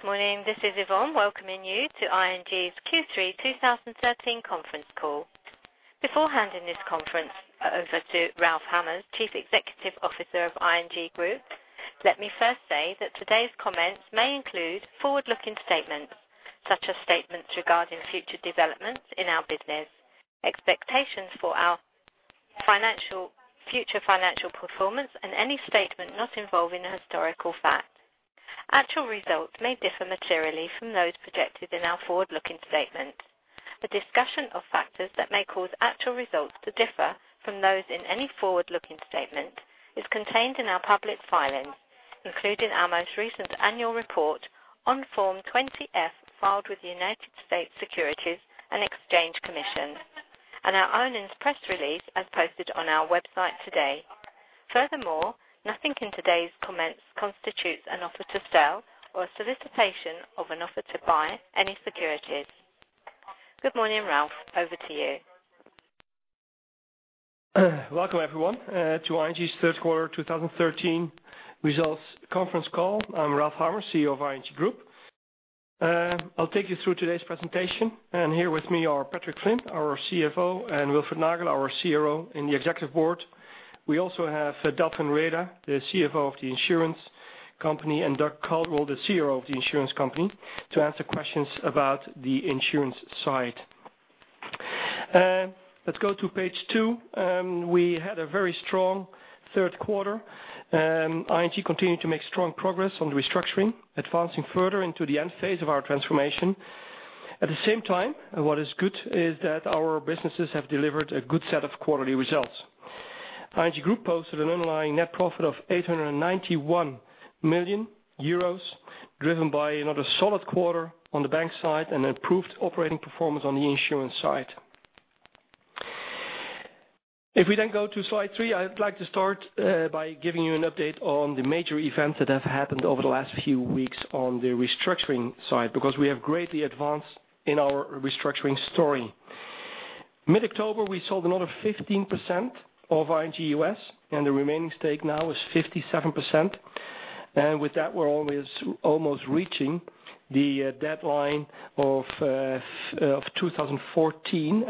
Good morning. This is Yvonne welcoming you to ING's Q3 2013 conference call. Before handing this conference over to Ralph Hamers, Chief Executive Officer of ING Groep, let me first say that today's comments may include forward-looking statements, such as statements regarding future developments in our business, expectations for our future financial performance, and any statement not involving a historical fact. Actual results may differ materially from those projected in our forward-looking statement. A discussion of factors that may cause actual results to differ from those in any forward-looking statement is contained in our public filing, including our most recent annual report on Form 20-F filed with the United States Securities and Exchange Commission and our own news press release as posted on our website today. Furthermore, nothing in today's comments constitutes an offer to sell or a solicitation of an offer to buy any securities. Good morning, Ralph. Over to you. Welcome everyone to ING's third quarter 2013 results conference call. I'm Ralph Hamers, CEO of ING Groep. I'll take you through today's presentation, and here with me are Patrick Flynn, our CFO, and Wilfred Nagel, our CRO in the executive board. We also have Delfin Rueda, the CFO of the insurance company, and Dagmar Valcárcel, the CRO of the insurance company, to answer questions about the insurance side. Let's go to page two. We had a very strong third quarter. ING continued to make strong progress on the restructuring, advancing further into the end phase of our transformation. At the same time, what is good is that our businesses have delivered a good set of quarterly results. ING Groep posted an underlying net profit of 891 million euros, driven by another solid quarter on the bank side and improved operating performance on the insurance side. If we then go to slide three, I'd like to start by giving you an update on the major events that have happened over the last few weeks on the restructuring side, because we have greatly advanced in our restructuring story. Mid-October, we sold another 15% of ING U.S., and the remaining stake now is 57%. With that, we're almost reaching the deadline of 2014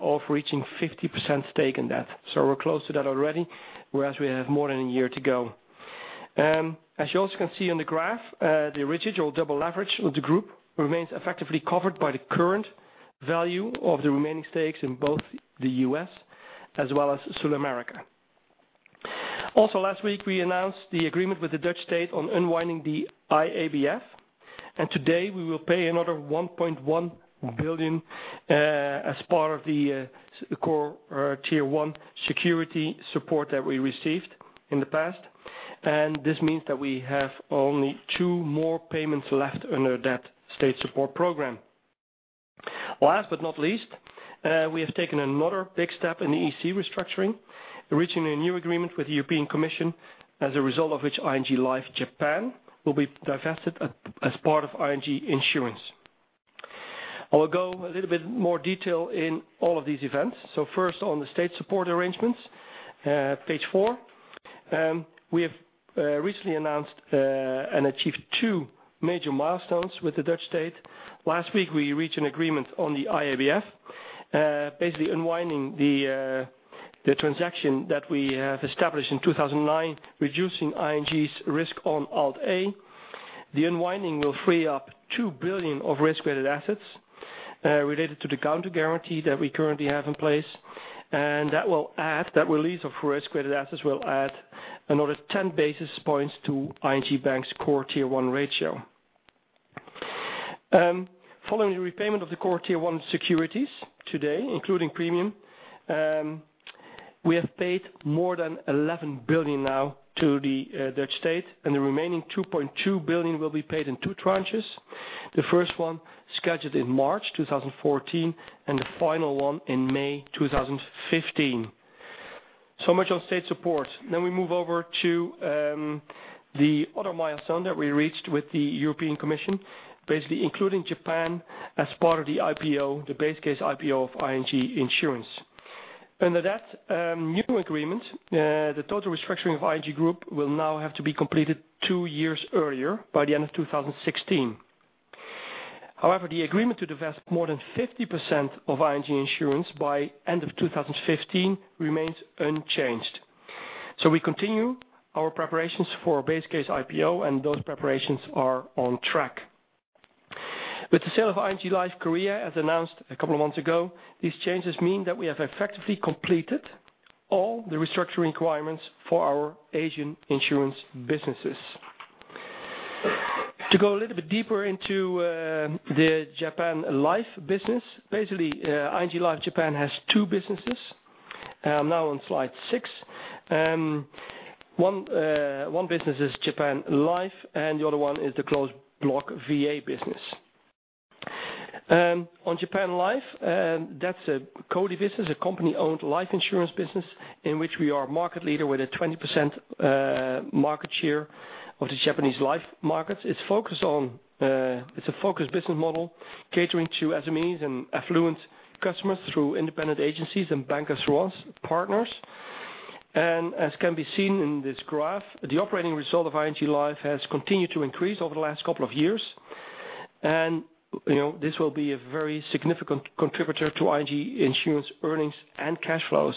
of reaching 15% stake in that. We're close to that already, whereas we have more than a year to go. As you also can see on the graph, the original double leverage of the group remains effectively covered by the current value of the remaining stakes in both the U.S. as well as South America. Last week, we announced the agreement with the Dutch state on unwinding the IABF, and today we will pay another 1.1 billion as part of the Core Tier 1 security support that we received in the past. This means that we have only two more payments left under that state support program. Last but not least, we have taken another big step in the EC restructuring, reaching a new agreement with the European Commission as a result of which ING Life Japan will be divested as part of ING Insurance. I will go a little bit more detail in all of these events. First on the state support arrangements, page four. We have recently announced and achieved two major milestones with the Dutch state. Last week, we reached an agreement on the IABF, basically unwinding the transaction that we have established in 2009, reducing ING's risk on Alt-A. The unwinding will free up 2 billion of risk-weighted assets related to the counter-guarantee that we currently have in place. That release of risk-weighted assets will add another 10 basis points to ING Bank's Core Tier 1 ratio. Following the repayment of the Core Tier 1 securities today, including premium, we have paid more than 11 billion now to the Dutch state, and the remaining 2.2 billion will be paid in two tranches. The first one scheduled in March 2014, and the final one in May 2015. Much on state support. We move over to the other milestone that we reached with the European Commission, basically including Japan as part of the IPO, the base case IPO of ING Insurance. Under that new agreement, the total restructuring of ING Group will now have to be completed two years earlier by the end of 2016. However, the agreement to divest more than 50% of ING Insurance by end of 2015 remains unchanged. We continue our preparations for base case IPO, and those preparations are on track. With the sale of ING Life Korea, as announced a couple of months ago, these changes mean that we have effectively completed all the restructuring requirements for our Asian insurance businesses. To go a little bit deeper into the Japan Life business, basically, ING Life Japan has two businesses. Now on slide six. One business is Japan Life, and the other one is the closed block VA business. On Japan Life, that's a COLI business, a company-owned life insurance business in which we are market leader with a 20% market share of the Japanese life markets. It's a focused business model, catering to SMEs and affluent customers through independent agencies and bank as partners. As can be seen in this graph, the operating result of ING Life has continued to increase over the last couple of years. This will be a very significant contributor to ING Insurance earnings and cash flows.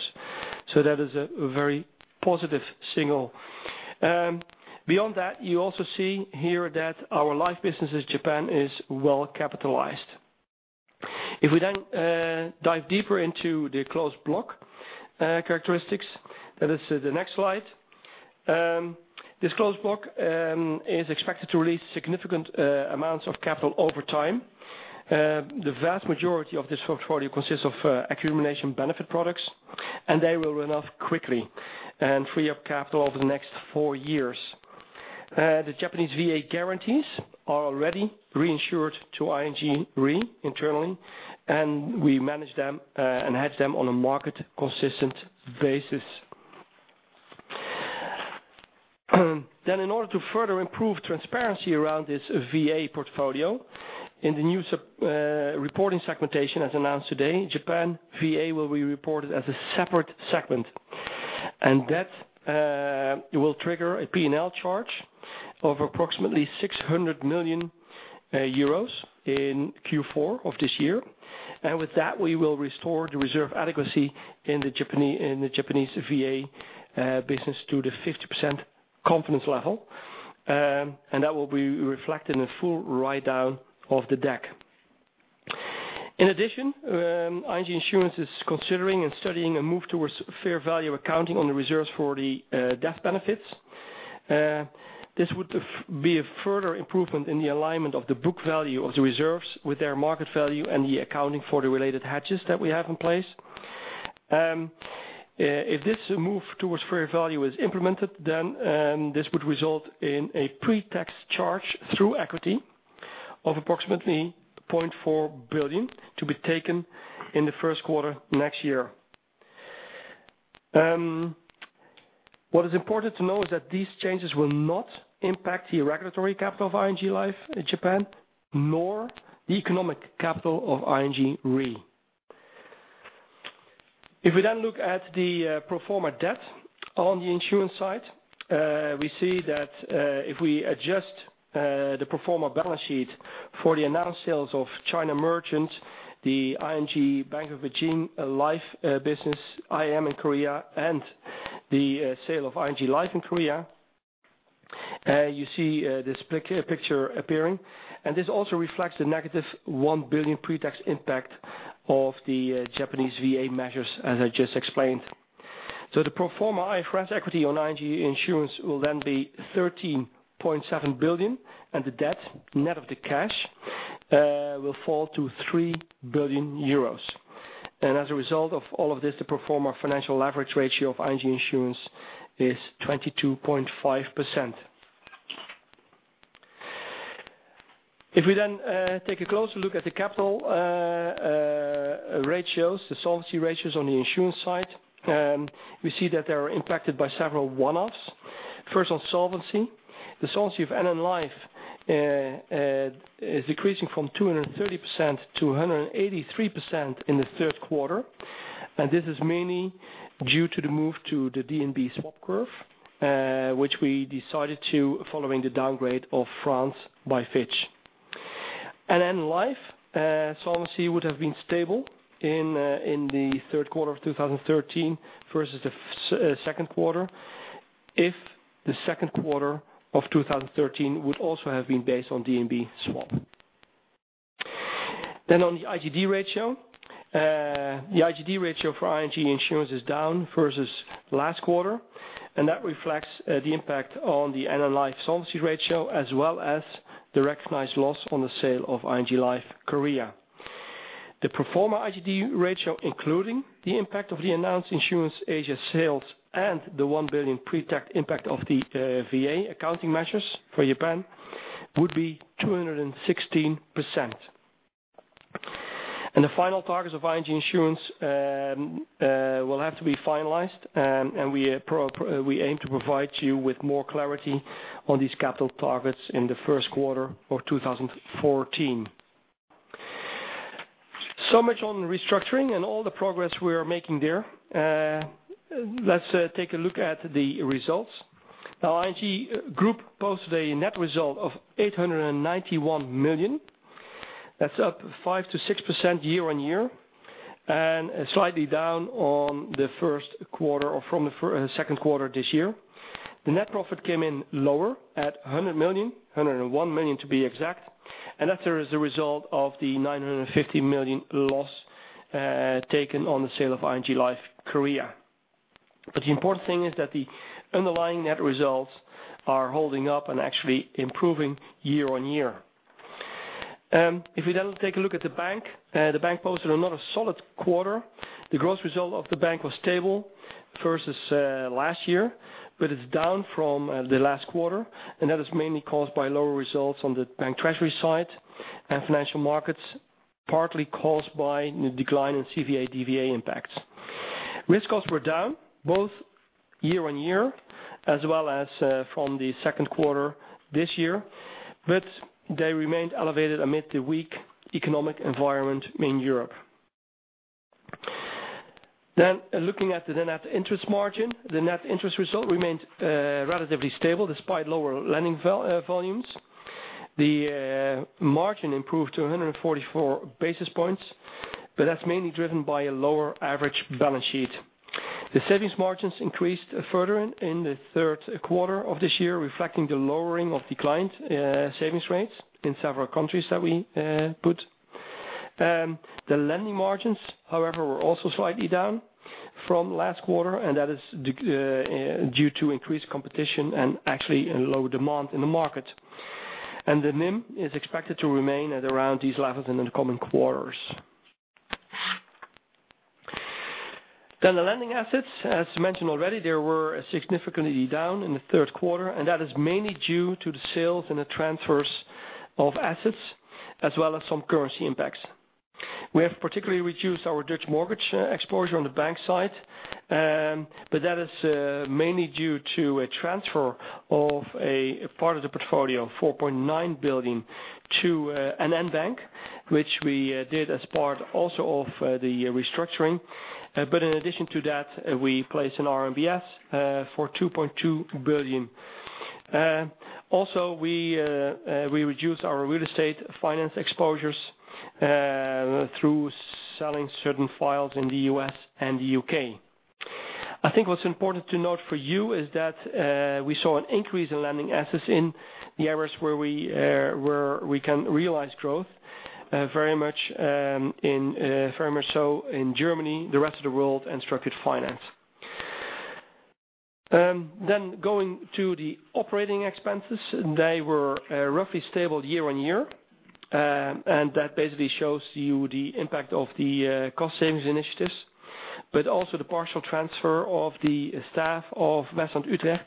That is a very positive signal. Beyond that, you also see here that our life business in Japan is well capitalized. If we then dive deeper into the closed block characteristics, that is the next slide. This closed block is expected to release significant amounts of capital over time. The vast majority of this portfolio consists of accumulation benefit products, and they will run off quickly and free up capital over the next four years. The Japan VA guarantees are already reinsured to ING Re internally, and we manage them and hedge them on a market-consistent basis. In order to further improve transparency around this VA portfolio, in the new reporting segmentation, as announced today, Japan VA will be reported as a separate segment. That will trigger a P&L charge of approximately 600 million euros in Q4 of this year. With that, we will restore the reserve adequacy in the Japan VA business to the 50% confidence level, and that will be reflected in a full write-down of the DAC. In addition, ING Insurance is considering and studying a move towards fair value accounting on the reserves for the death benefits. This would be a further improvement in the alignment of the book value of the reserves with their market value and the accounting for the related hedges that we have in place. If this move towards fair value is implemented, then this would result in a pre-tax charge through equity of approximately 0.4 billion to be taken in the first quarter next year. What is important to note is that these changes will not impact the regulatory capital of ING Life Japan, nor the economic capital of ING Re. If we look at the pro forma debt on the insurance side, we see that if we adjust the pro forma balance sheet for the announced sales of China Merchants, the ING-BOB Life Insurance Co Ltd, IM in Korea, and the sale of ING Life Korea, you see this clear picture appearing, and this also reflects the negative 1 billion pre-tax impact of the Japan VA measures, as I just explained. The pro forma IFRS equity on ING Insurance will then be 13.7 billion, and the debt net of the cash will fall to 3 billion euros. As a result of all of this, the pro forma financial leverage ratio of ING Insurance is 22.5%. If we take a closer look at the capital ratios, the solvency ratios on the insurance side, we see that they are impacted by several one-offs. On solvency. The solvency of NN Life is decreasing from 230% to 183% in the third quarter, and this is mainly due to the move to the DNB swap curve, which we decided to following the downgrade of France by Fitch. NN Life solvency would have been stable in the third quarter of 2013 versus the second quarter if the second quarter of 2013 would also have been based on DNB swap. On the IGD ratio. The IGD ratio for ING Insurance is down versus last quarter, and that reflects the impact on the NN Life solvency ratio, as well as the recognized loss on the sale of ING Life Korea. The pro forma IGD ratio, including the impact of the announced Insurance Asia sales and the 1 billion pre-tax impact of the VA accounting measures for Japan, would be 216%. The final targets of ING Insurance will have to be finalized, and we aim to provide you with more clarity on these capital targets in the first quarter of 2014. Much on restructuring and all the progress we are making there. Let's take a look at the results. Now, ING Group posted a net result of 891 million. That's up 5%-6% year-on-year, and slightly down on the first quarter or from the second quarter this year. The net profit came in lower at 100 million, 101 million to be exact, and that is a result of the 950 million loss taken on the sale of ING Life Korea. The important thing is that the underlying net results are holding up and actually improving year-on-year. If we take a look at the bank, the bank posted another solid quarter. The gross result of the bank was stable versus last year, but it's down from the last quarter, and that is mainly caused by lower results on the bank treasury side and financial markets, partly caused by the decline in CVA/DVA impacts. Risk costs were down both year-on-year as well as from the second quarter this year, but they remained elevated amid the weak economic environment in Europe. Looking at the net interest margin, the net interest result remained relatively stable despite lower lending volumes. The margin improved to 144 basis points, but that's mainly driven by a lower average balance sheet. The savings margins increased further in the third quarter of this year, reflecting the lowering of the client savings rates in several countries that we put. The lending margins, however, were also slightly down from last quarter, and that is due to increased competition and actually low demand in the market. The NIM is expected to remain at around these levels in the coming quarters. The lending assets, as mentioned already, they were significantly down in the third quarter, and that is mainly due to the sales and the transfers of assets as well as some currency impacts. We have particularly reduced our Dutch mortgage exposure on the bank side, but that is mainly due to a transfer of a part of the portfolio, 4.9 billion to NN Bank, which we did as part also of the restructuring. In addition to that, we placed an RMBS for 2.2 billion. Also, we reduced our real estate finance exposures through selling certain files in the U.S. and the U.K. I think what's important to note for you is that we saw an increase in lending assets in the areas where we can realize growth, very much so in Germany, the rest of the world, and structured finance. Going to the operating expenses, they were roughly stable year-on-year. That basically shows you the impact of the cost-savings initiatives, but also the partial transfer of the staff of WestlandUtrecht,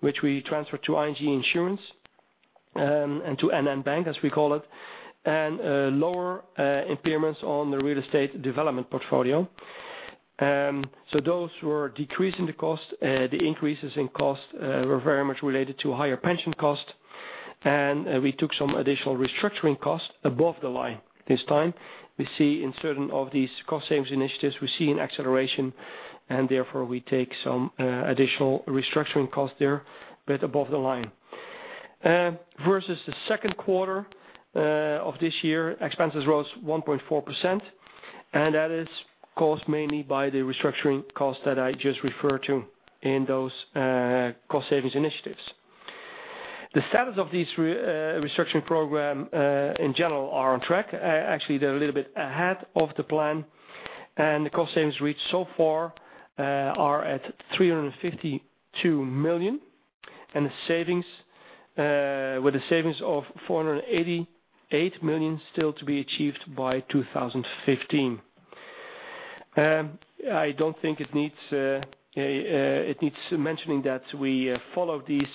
which we transferred to ING Insurance, and to NN Bank, as we call it, and lower impairments on the real estate development portfolio. Those who are decreasing the cost, the increases in cost were very much related to higher pension cost. We took some additional restructuring costs above the line this time. We see in certain of these cost-savings initiatives, we see an acceleration, and therefore, we take some additional restructuring costs there, but above the line. Versus the second quarter of this year, expenses rose 1.4%, that is caused mainly by the restructuring costs that I just referred to in those cost-savings initiatives. The status of these restructuring program in general is on track. They're a little bit ahead of the plan, and the cost savings reached so far are at 352 million, with the savings of 488 million still to be achieved by 2015. I don't think it needs mentioning that we follow these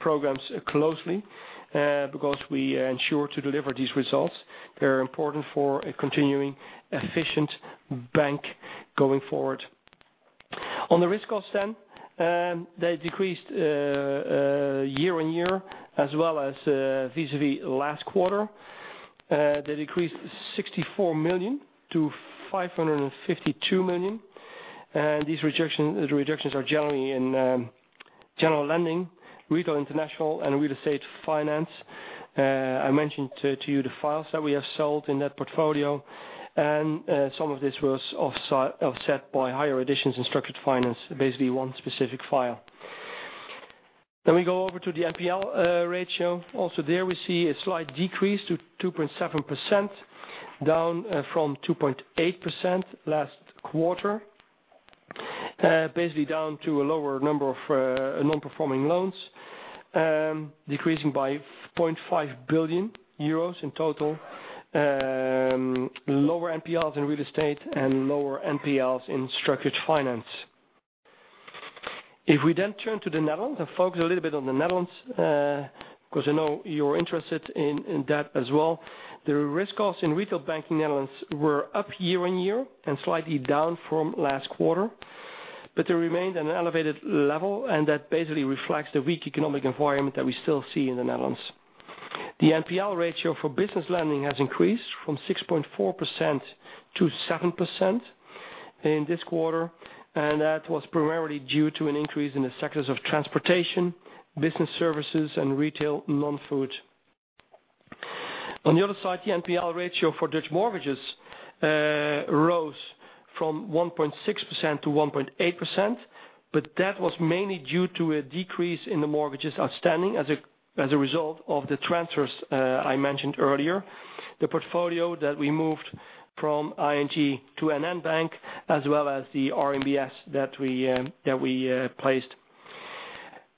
programs closely because we ensure to deliver these results. They're important for a continuing efficient bank going forward. On the risk costs, they decreased year-on-year as well as vis-à-vis last quarter. They decreased 64 million to 552 million. These reductions are generally in general lending, retail, international, and real estate finance. I mentioned to you the files that we have sold in that portfolio, some of this was offset by higher additions in structured finance, basically one specific file. We go over to the NPL ratio. There we see a slight decrease to 2.7%, down from 2.8% last quarter. Basically down to a lower number of non-performing loans, decreasing by 0.5 billion euros in total. Lower NPLs in real estate and lower NPLs in structured finance. If we turn to the Netherlands and focus a little bit on the Netherlands, because I know you're interested in that as well. The risk costs in retail banking Netherlands were up year-on-year and slightly down from last quarter, they remained at an elevated level, that basically reflects the weak economic environment that we still see in the Netherlands. The NPL ratio for business lending has increased from 6.4% to 7% in this quarter, that was primarily due to an increase in the sectors of transportation, business services, and retail non-food. On the other side, the NPL ratio for Dutch mortgages rose from 1.6% to 1.8%, that was mainly due to a decrease in the mortgages outstanding as a result of the transfers I mentioned earlier. The portfolio that we moved from ING to NN Bank, as well as the RMBS that we placed.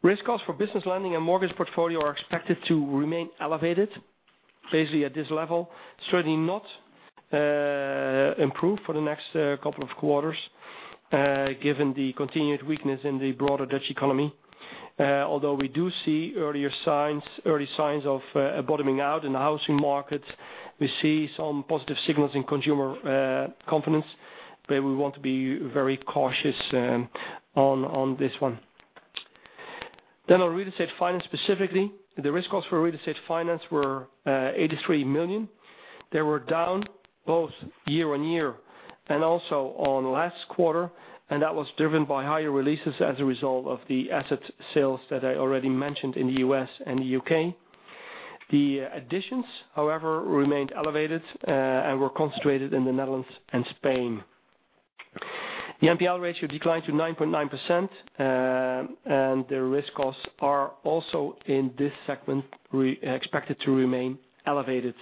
Risk costs for business lending and mortgage portfolio are expected to remain elevated, basically at this level. Certainly not improve for the next couple of quarters given the continued weakness in the broader Dutch economy. Although we do see early signs of a bottoming out in the housing market. We see some positive signals in consumer confidence, we want to be very cautious on this one. On real estate finance specifically, the risk costs for real estate finance were 83 million. They were down both year-on-year and also on last quarter, that was driven by higher releases as a result of the asset sales that I already mentioned in the U.S. and the U.K. The additions, however, remained elevated and were concentrated in the Netherlands and Spain. The NPL ratio declined to 9.9%, the risk costs are also in this segment expected to remain elevated.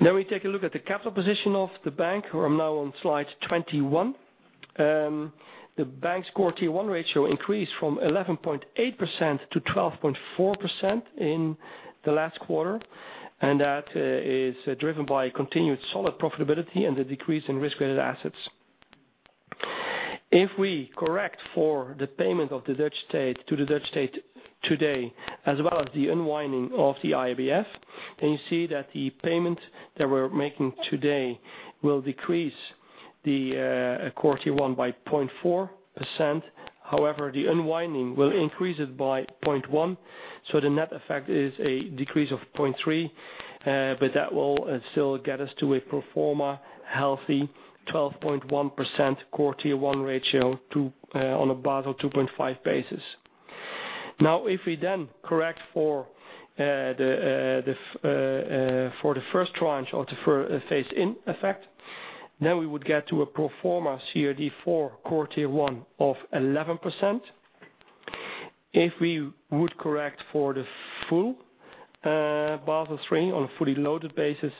We take a look at the capital position of the bank. We are now on slide 21. The bank's Core Tier 1 ratio increased from 11.8% to 12.4% in the last quarter, that is driven by continued solid profitability and the decrease in risk-weighted assets. If we correct for the payment to the Dutch state today, as well as the unwinding of the IABF, you see that the payment that we're making today will decrease the Core Tier 1 by 0.4%. The unwinding will increase it by 0.1%, so the net effect is a decrease of 0.3%, but that will still get us to a pro forma healthy 12.1% Core Tier 1 ratio on a Basel 2.5 basis. If we then correct for the first tranche of the phased-in effect, we would get to a pro forma CRD IV Core Tier 1 of 11%. If we would correct for the full Basel III on a fully loaded basis,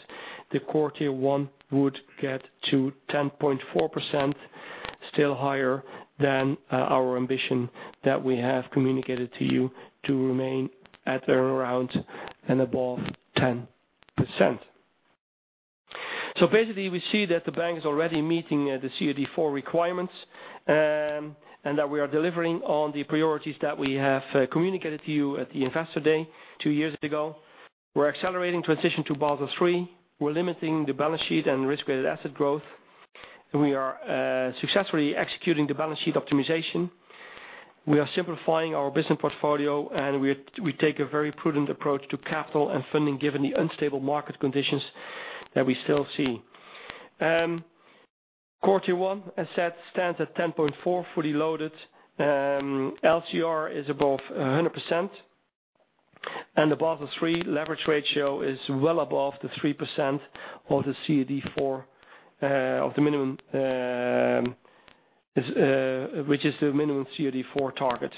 the Core Tier 1 would get to 10.4%, still higher than our ambition that we have communicated to you to remain at around and above 10%. We see that the bank is already meeting the CRD IV requirements, and that we are delivering on the priorities that we have communicated to you at the investor day two years ago. We're accelerating transition to Basel III. We're limiting the balance sheet and risk-weighted asset growth, and we are successfully executing the balance sheet optimization. We are simplifying our business portfolio, and we take a very prudent approach to capital and funding, given the unstable market conditions that we still see. Core Tier 1, as said, stands at 10.4% fully loaded. LCR is above 100%, and the Basel III leverage ratio is well above the 3% of the minimum, which is the minimum CRD IV target.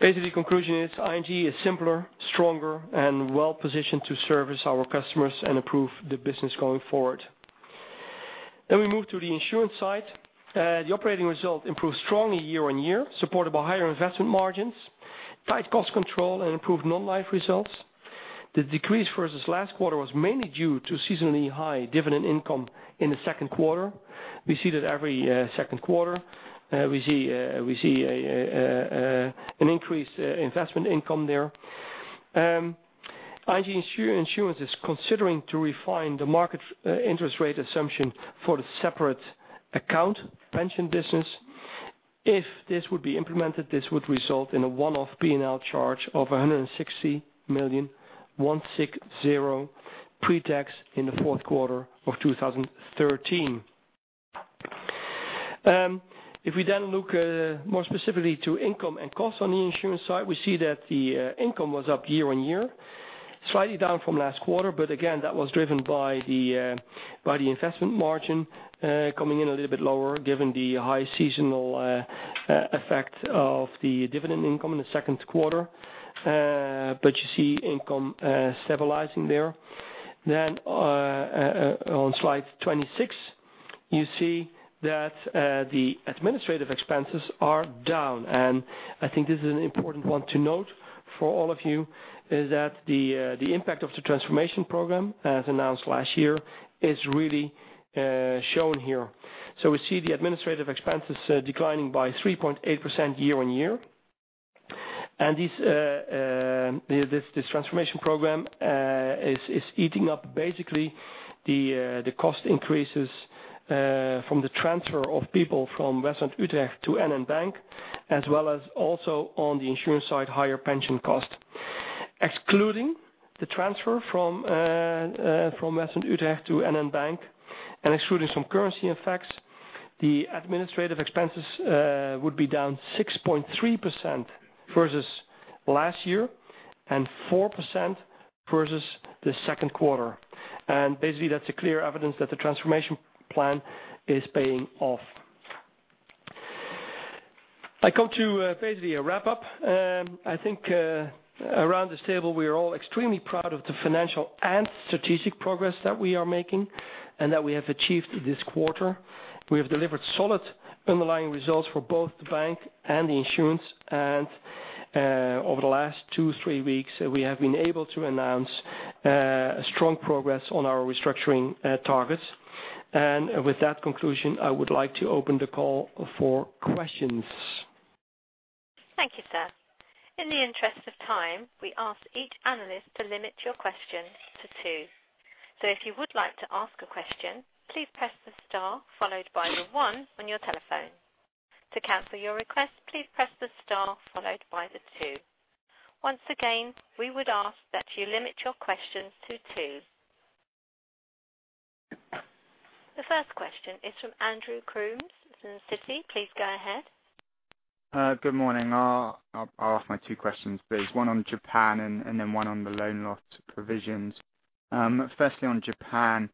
The conclusion is ING is simpler, stronger, and well-positioned to service our customers and improve the business going forward. We move to the insurance side. The operating result improved strongly year-on-year, supported by higher investment margins, tight cost control, and improved non-life results. The decrease versus last quarter was mainly due to seasonally high dividend income in the second quarter. We see that every second quarter. We see an increased investment income there. ING Insurance is considering to refine the market interest rate assumption for the separate account pension business. If this would be implemented, this would result in a one-off P&L charge of 160 million, one six zero, pre-tax in the fourth quarter of 2013. If we then look more specifically to income and costs on the insurance side, we see that the income was up year-on-year, slightly down from last quarter. Again, that was driven by the investment margin coming in a little bit lower given the high seasonal effect of the dividend income in the second quarter. You see income stabilizing there. On slide 26, you see that the administrative expenses are down, and I think this is an important one to note for all of you, is that the impact of the transformation program as announced last year is really shown here. We see the administrative expenses declining by 3.8% year-on-year. This transformation program is eating up basically the cost increases from the transfer of people from WestlandUtrecht Bank to NN Bank, as well as also on the insurance side, higher pension cost. Excluding the transfer from WestlandUtrecht Bank to NN Bank and excluding some currency effects, the administrative expenses would be down 6.3% versus last year and 4% versus the second quarter. That's a clear evidence that the transformation plan is paying off. I come to basically a wrap-up. I think around this table, we are all extremely proud of the financial and strategic progress that we are making and that we have achieved this quarter. We have delivered solid underlying results for both the bank and the insurance. Over the last two, three weeks, we have been able to announce strong progress on our restructuring targets. With that conclusion, I would like to open the call for questions. Thank you, sir. In the interest of time, we ask each analyst to limit your questions to two. If you would like to ask a question, please press the star followed by the one on your telephone. To cancel your request, please press the star followed by the two. Once again, we would ask that you limit your questions to two. The first question is from Andrew Coombs from Citi. Please go ahead. Good morning. I'll ask my two questions, please. One on Japan, and then one on the loan loss provisions. Firstly, on Japan.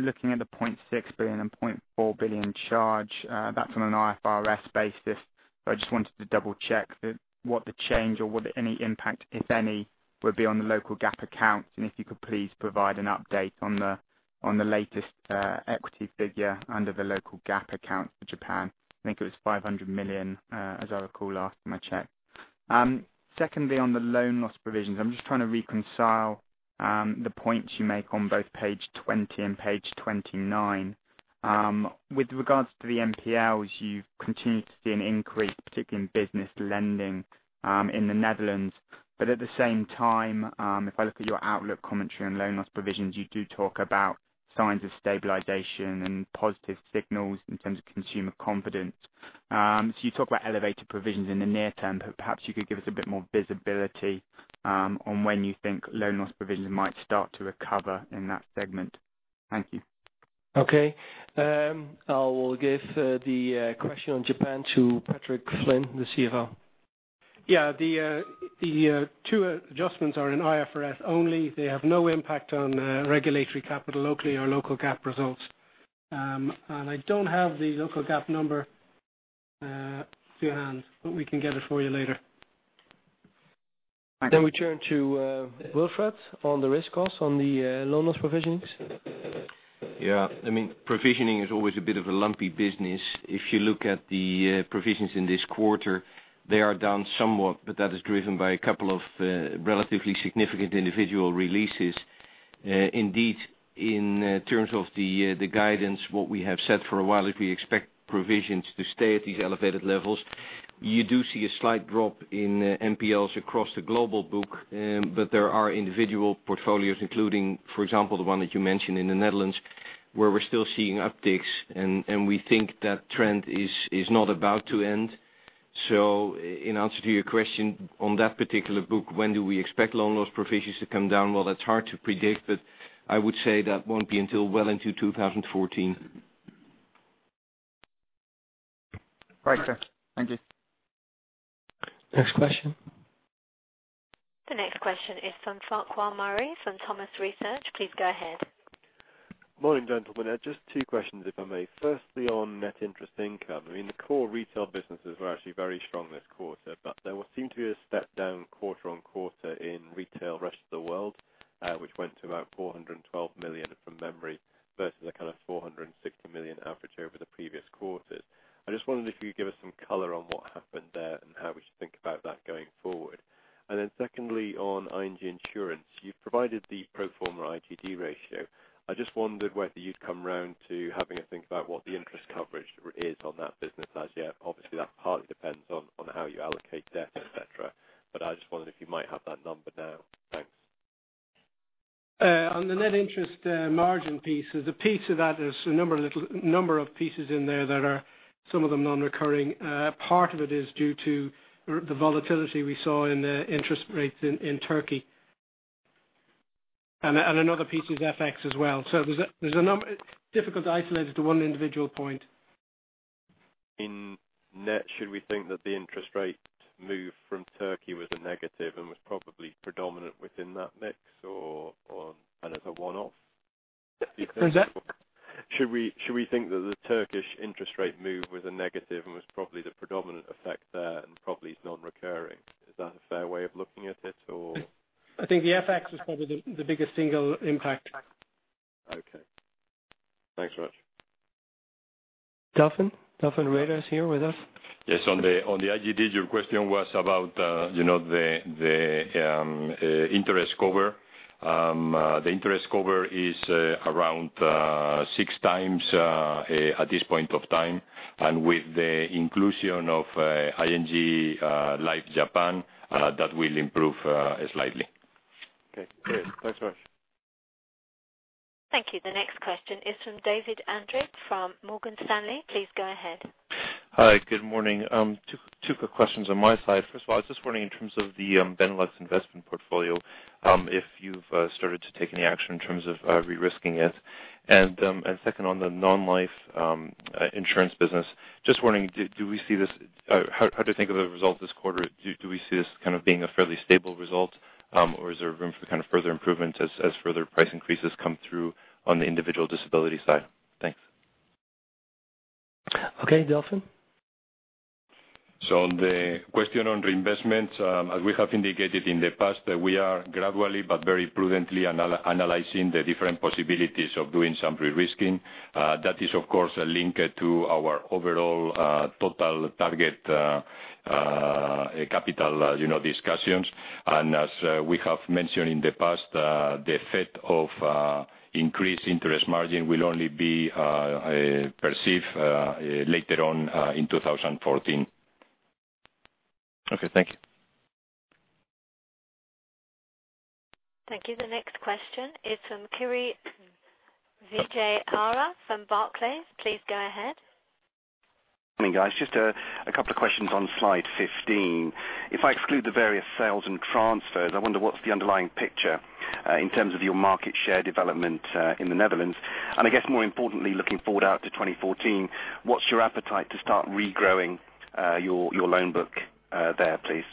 Looking at the 0.6 billion and 0.4 billion charge, that's on an IFRS basis. I just wanted to double-check what the change, or any impact, if any, would be on the local GAAP accounts. If you could please provide an update on the latest equity figure under the local GAAP accounts for Japan. I think it was 500 million, as I recall, last time I checked. Secondly, on the loan loss provisions, I'm just trying to reconcile the points you make on both page 20 and page 29. With regards to the NPLs, you've continued to see an increase, particularly in business lending in the Netherlands. At the same time, if I look at your outlook commentary on loan loss provisions, you do talk about signs of stabilization and positive signals in terms of consumer confidence. You talk about elevated provisions in the near term, but perhaps you could give us a bit more visibility on when you think loan loss provisions might start to recover in that segment. Thank you. I will give the question on Japan to Patrick Flynn, the CFO. The two adjustments are in IFRS only. They have no impact on regulatory capital locally or local GAAP results. I don't have the local GAAP number to hand, but we can get it for you later. Thank you. We turn to Wilfred on the risk cost on the loan loss provisions. Yeah. Provisioning is always a bit of a lumpy business. If you look at the provisions in this quarter, they are down somewhat, but that is driven by a couple of relatively significant individual releases. Indeed, in terms of the guidance, what we have said for a while is we expect provisions to stay at these elevated levels. You do see a slight drop in NPLs across the global book. There are individual portfolios including, for example, the one that you mentioned in the Netherlands, where we're still seeing upticks, and we think that trend is not about to end. In answer to your question on that particular book, when do we expect loan loss provisions to come down? That's hard to predict, but I would say that won't be until well into 2014. Right, sir. Thank you. Next question. The next question is from Farquhar Murray from Autonomous Research. Please go ahead. Morning, gentlemen. Just two questions, if I may. Firstly, on net interest income, the core retail businesses were actually very strong this quarter, but there would seem to be a step down quarter-on-quarter in retail rest of the world, which went to about 412 million, from memory, versus a kind of 460 million average over the previous quarters. I just wondered if you'd give us some color on what happened there and how we should think about that going forward. Secondly, on ING Insurance, you've provided the pro forma IGD ratio. I just wondered whether you'd come around to having a think about what the interest coverage is on that business as yet. Obviously, that partly depends on how you allocate debt, et cetera, but I just wondered if you might have that number now. Thanks. On the net interest margin piece, there's a number of pieces in there that are, some of them, non-recurring. Part of it is due to the volatility we saw in the interest rates in Turkey. Another piece is FX as well. It's difficult to isolate it to one individual point. In net, should we think that the interest rate move from Turkey was a negative and was probably predominant within that mix, or as a one-off? I'm sorry? Should we think that the Turkish interest rate move was a negative and was probably the predominant effect there and probably is non-recurring? Is that a fair way of looking at it, or I think the FX is probably the biggest single impact. Okay. Thanks very much. Delfin? Delfin Rueda is here with us. Yes, on the IGD, your question was about the interest cover. The interest cover is around six times at this point of time. With the inclusion of ING Life Japan, that will improve slightly. Okay, great. Thanks very much. Thank you. The next question is from David Andric from Morgan Stanley. Please go ahead. Hi. Good morning. Two quick questions on my side. First of all, I was just wondering in terms of the Benelux investment portfolio, if you've started to take any action in terms of re-risking it. Second on the non-life insurance business, just wondering, how do you think of the result this quarter? Do we see this being a fairly stable result? Or is there room for further improvement as further price increases come through on the individual disability side? Thanks. Okay, Delfin. On the question on reinvestment, as we have indicated in the past, we are gradually but very prudently analyzing the different possibilities of doing some risk weighting. That is, of course, linked to our overall total target capital discussions. As we have mentioned in the past, the effect of increased interest margin will only be perceived later on in 2014. Okay, thank you. Thank you. The next question is from Kirishanthan Vijayarajah from Barclays. Please go ahead. Morning, guys. Just a couple of questions on slide 15. If I exclude the various sales and transfers, I wonder what's the underlying picture in terms of your market share development in the Netherlands, and I guess more importantly, looking forward out to 2014, what's your appetite to start regrowing your loan book there, please?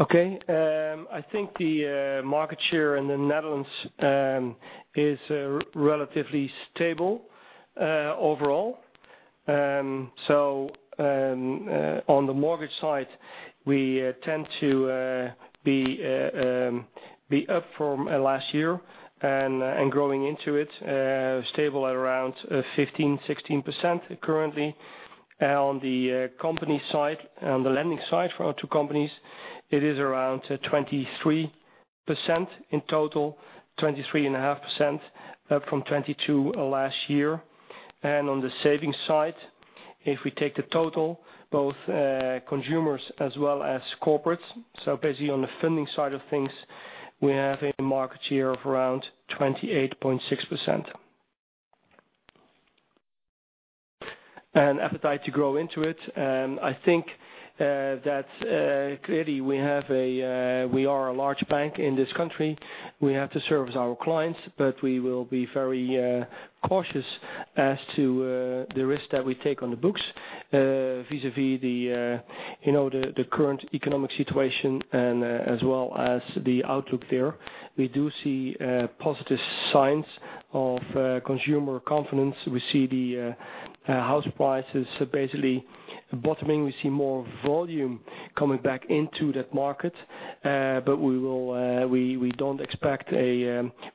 Okay. I think the market share in the Netherlands is relatively stable overall. On the mortgage side, we tend to be up from last year and growing into it, stable at around 15%-16% currently. On the company side, on the lending side for our two companies, it is around 23% in total, 23.5% up from 22 last year. On the savings side, if we take the total, both consumers as well as corporates, so basically on the funding side of things, we have a market share of around 28.6%. Appetite to grow into it, I think that clearly we are a large bank in this country. We have to service our clients, but we will be very cautious as to the risk that we take on the books vis-a-vis the current economic situation and as well as the outlook there. We do see positive signs of consumer confidence. We see the house prices basically bottoming. We see more volume coming back into that market.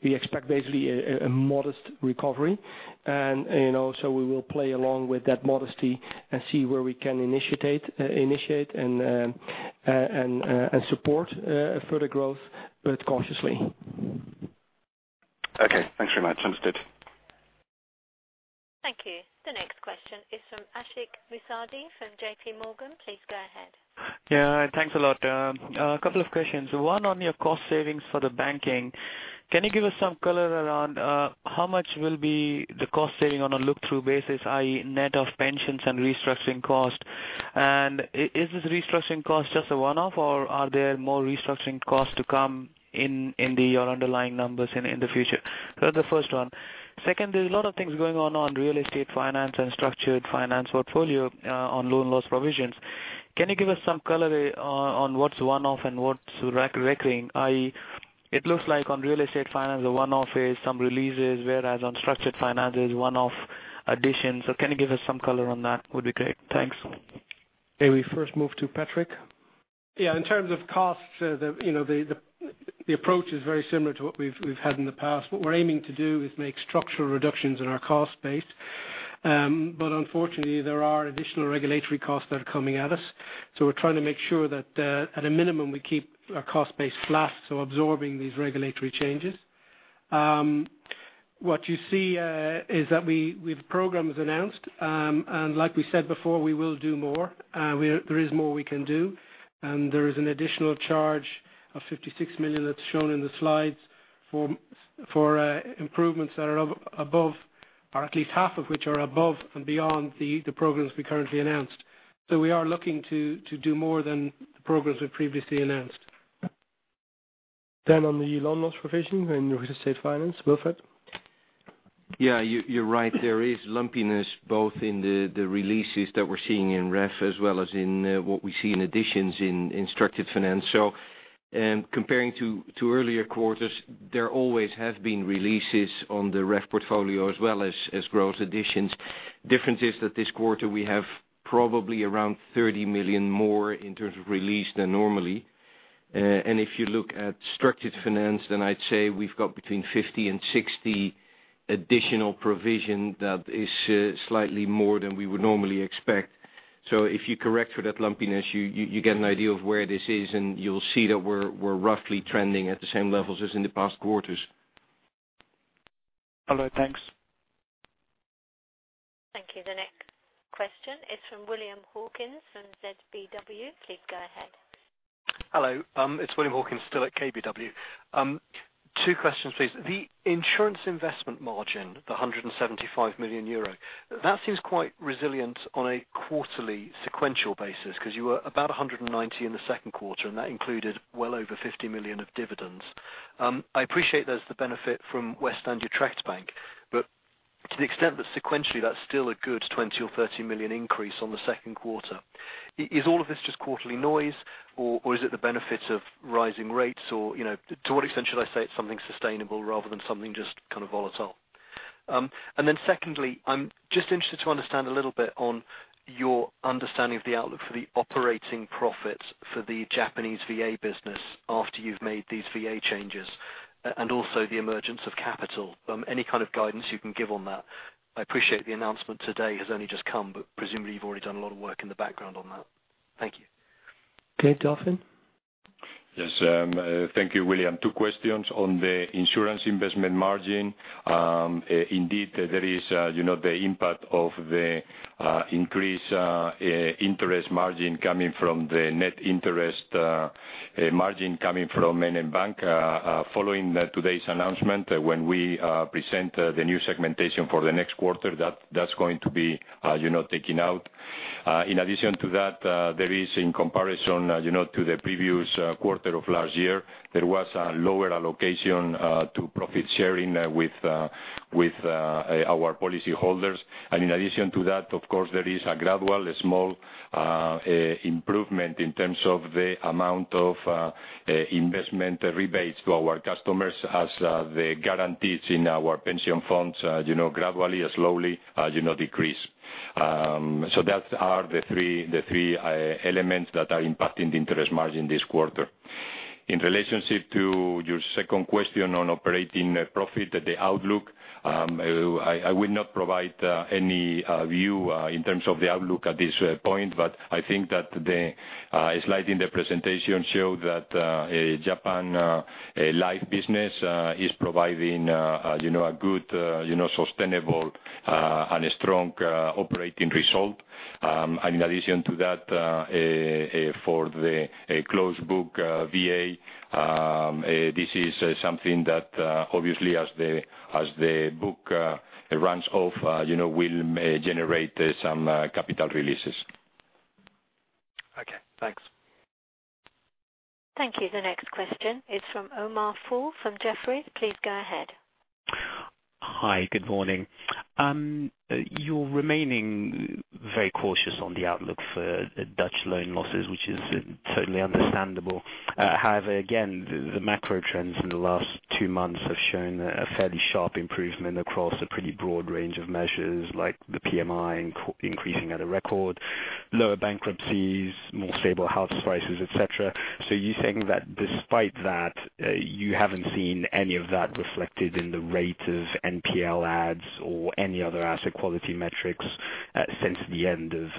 We expect basically a modest recovery, and also we will play along with that modesty and see where we can initiate and support further growth, but cautiously. Okay. Thanks very much. Understood. Thank you. The next question is from Ashik Musaddi from J.P. Morgan. Please go ahead. Thanks a lot. A couple of questions. One on your cost savings for the banking. Can you give us some color around how much will be the cost saving on a look-through basis, i.e., net of pensions and restructuring cost? Is this restructuring cost just a one-off or are there more restructuring costs to come in your underlying numbers in the future? That's the first one. There's a lot of things going on real estate finance and structured finance portfolio on loan loss provisions. Can you give us some color on what's one-off and what's recurring, i.e., it looks like on real estate finance, the one-off is some releases, whereas on structured finance, there's one-off additions. Can you give us some color on that? Would be great. Thanks. May we first move to Patrick? In terms of costs, the approach is very similar to what we've had in the past. What we're aiming to do is make structural reductions in our cost base. Unfortunately, there are additional regulatory costs that are coming at us. We're trying to make sure that at a minimum, we keep our cost base flat, so absorbing these regulatory changes. What you see is that the program is announced, and like we said before, we will do more. There is more we can do, and there is an additional charge of 56 million that's shown in the slides for improvements that are above, or at least half of which are above and beyond the programs we currently announced. We are looking to do more than the programs we previously announced. On the loan loss provision in real estate finance, Wilfred. You're right. There is lumpiness both in the releases that we're seeing in REF as well as in what we see in additions in structured finance. Comparing to earlier quarters, there always have been releases on the REF portfolio as well as growth additions. Difference is that this quarter we have probably around 30 million more in terms of release than normally. If you look at structured finance, then I'd say we've got between 50 million and 60 million additional provision that is slightly more than we would normally expect. If you correct for that lumpiness, you get an idea of where this is, and you'll see that we're roughly trending at the same levels as in the past quarters. Hello. Thanks. Thank you. The next question is from William Hawkins from KBW. Please go ahead. Hello. It's William Hawkins still at KBW. Two questions, please. The insurance investment margin, the 175 million euro, that seems quite resilient on a quarterly sequential basis because you were about 190 million in the second quarter, and that included well over 50 million of dividends. I appreciate there's the benefit from WestlandUtrecht Bank, but to the extent that sequentially that's still a good 20 million or 30 million increase on the second quarter. Is all of this just quarterly noise or is it the benefit of rising rates, or to what extent should I say it's something sustainable rather than something just kind of volatile? Secondly, I'm just interested to understand a little bit on your understanding of the outlook for the operating profits for the Japan VA business after you've made these VA changes, and also the emergence of capital. Any kind of guidance you can give on that. I appreciate the announcement today has only just come. Presumably you've already done a lot of work in the background on that. Thank you. Okay. Delfin? Yes. Thank you, William. Two questions on the insurance investment margin. Indeed, there is the impact of the increased interest margin coming from the net interest margin coming from NN Bank. Following today's announcement, when we present the new segmentation for the next quarter, that's going to be taken out. In addition to that, there is, in comparison to the previous quarter of last year, there was a lower allocation to profit sharing with our policy holders. In addition to that, of course, there is a gradual, small improvement in terms of the amount of investment rebates to our customers as the guarantees in our pension funds gradually and slowly decrease. That are the three elements that are impacting the interest margin this quarter. In relationship to your second question on operating profit at the outlook, I will not provide any view in terms of the outlook at this point. I think that the slide in the presentation show that Japan Life business is providing a good, sustainable, and a strong operating result. In addition to that, for the closed book VA, this is something that obviously as the book runs off will generate some capital releases. Okay, thanks. Thank you. The next question is from Omar Fall from Jefferies. Please go ahead. Hi. Good morning. You're remaining very cautious on the outlook for Dutch loan losses, which is certainly understandable. Again, the macro trends in the last two months have shown a fairly sharp improvement across a pretty broad range of measures, like the PMI increasing at a record, lower bankruptcies, more stable house prices, et cetera. You're saying that despite that, you haven't seen any of that reflected in the rate of NPL adds or any other asset quality metrics since the end of